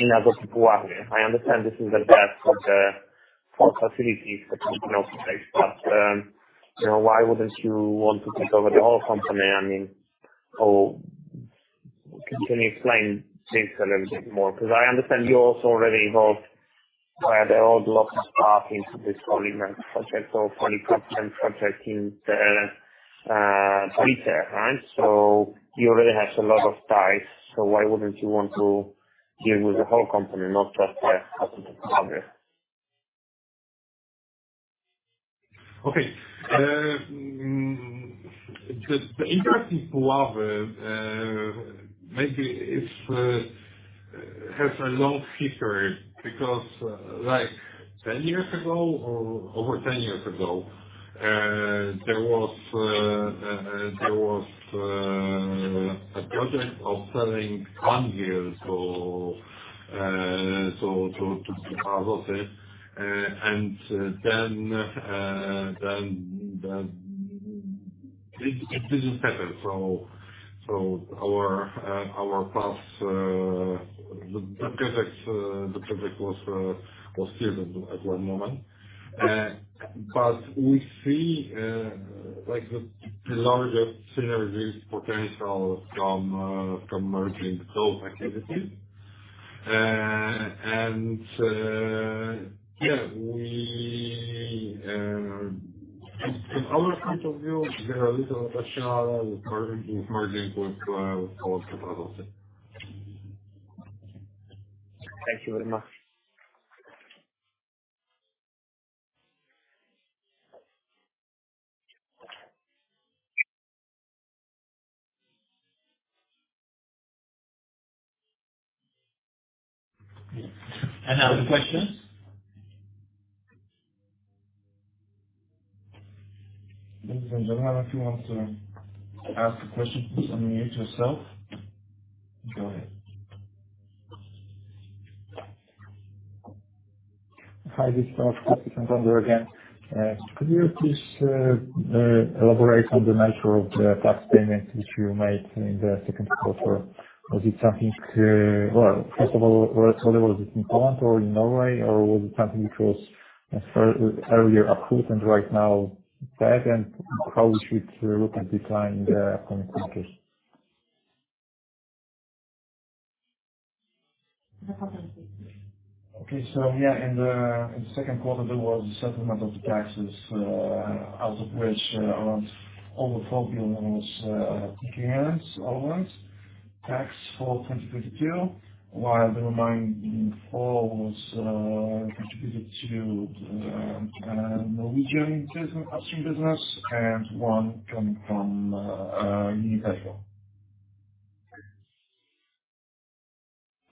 Azoty Puławy? I understand this is the best of the four facilities, but you know, why wouldn't you want to take over the whole company? I mean, or can you explain this a little bit more? Because I understand you're also already involved where they allocate stuff into this project or polypropylene project in the retail, right? So you already have a lot of ties, so why wouldn't you want to deal with the whole company, not just half of it? Okay. The interest in Puławy maybe it has a long history. Because, like 10 years ago or over 10 years ago, there was a project of selling Anwil to Grupa Azoty, and then it didn't happen. So, our past, the project was killed at one moment. But we see, like, the larger synergies potential from merging both activities. And, yeah, from our point of view, we see a lot of potential with merging with Grupa Azoty. Thank you very much. Any other questions? If you want to ask a question, please unmute yourself. Go ahead. Hi, this is from again. Could you please elaborate on the nature of the tax payment, which you made in the second quarter? Was it something... Well, first of all, was it in Poland or in Norway, or was it something which was earlier approved and right now paid? And how we should look at the time in the upcoming quarters? Okay, so yeah, in the second quarter, there was a settlement of the taxes, out of which, around over PLN 4 billion was, PKN's Poland tax for 2022, while the remaining 4 was, contributed to, Norwegian business, upstream business, and one coming from, United.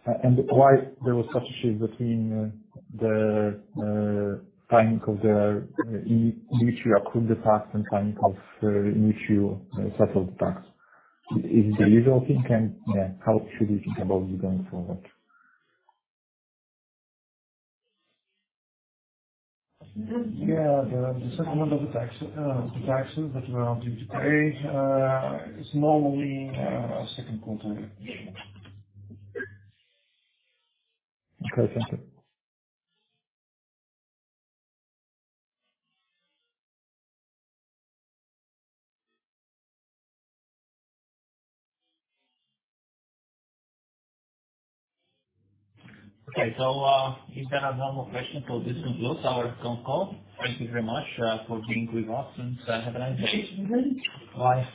Why there was such a shift between the timing of the in which you accrued the tax and timing of in which you settled the tax? Is it a usual thing, and, yeah, how should we think about it going forward? Yeah. The settlement of the tax, the taxes that were due today, is normally second quarter. Okay, thank you. Okay. So, if there are no more questions, so this concludes our conf call. Thank you very much, for being with us, and have a nice day. Bye.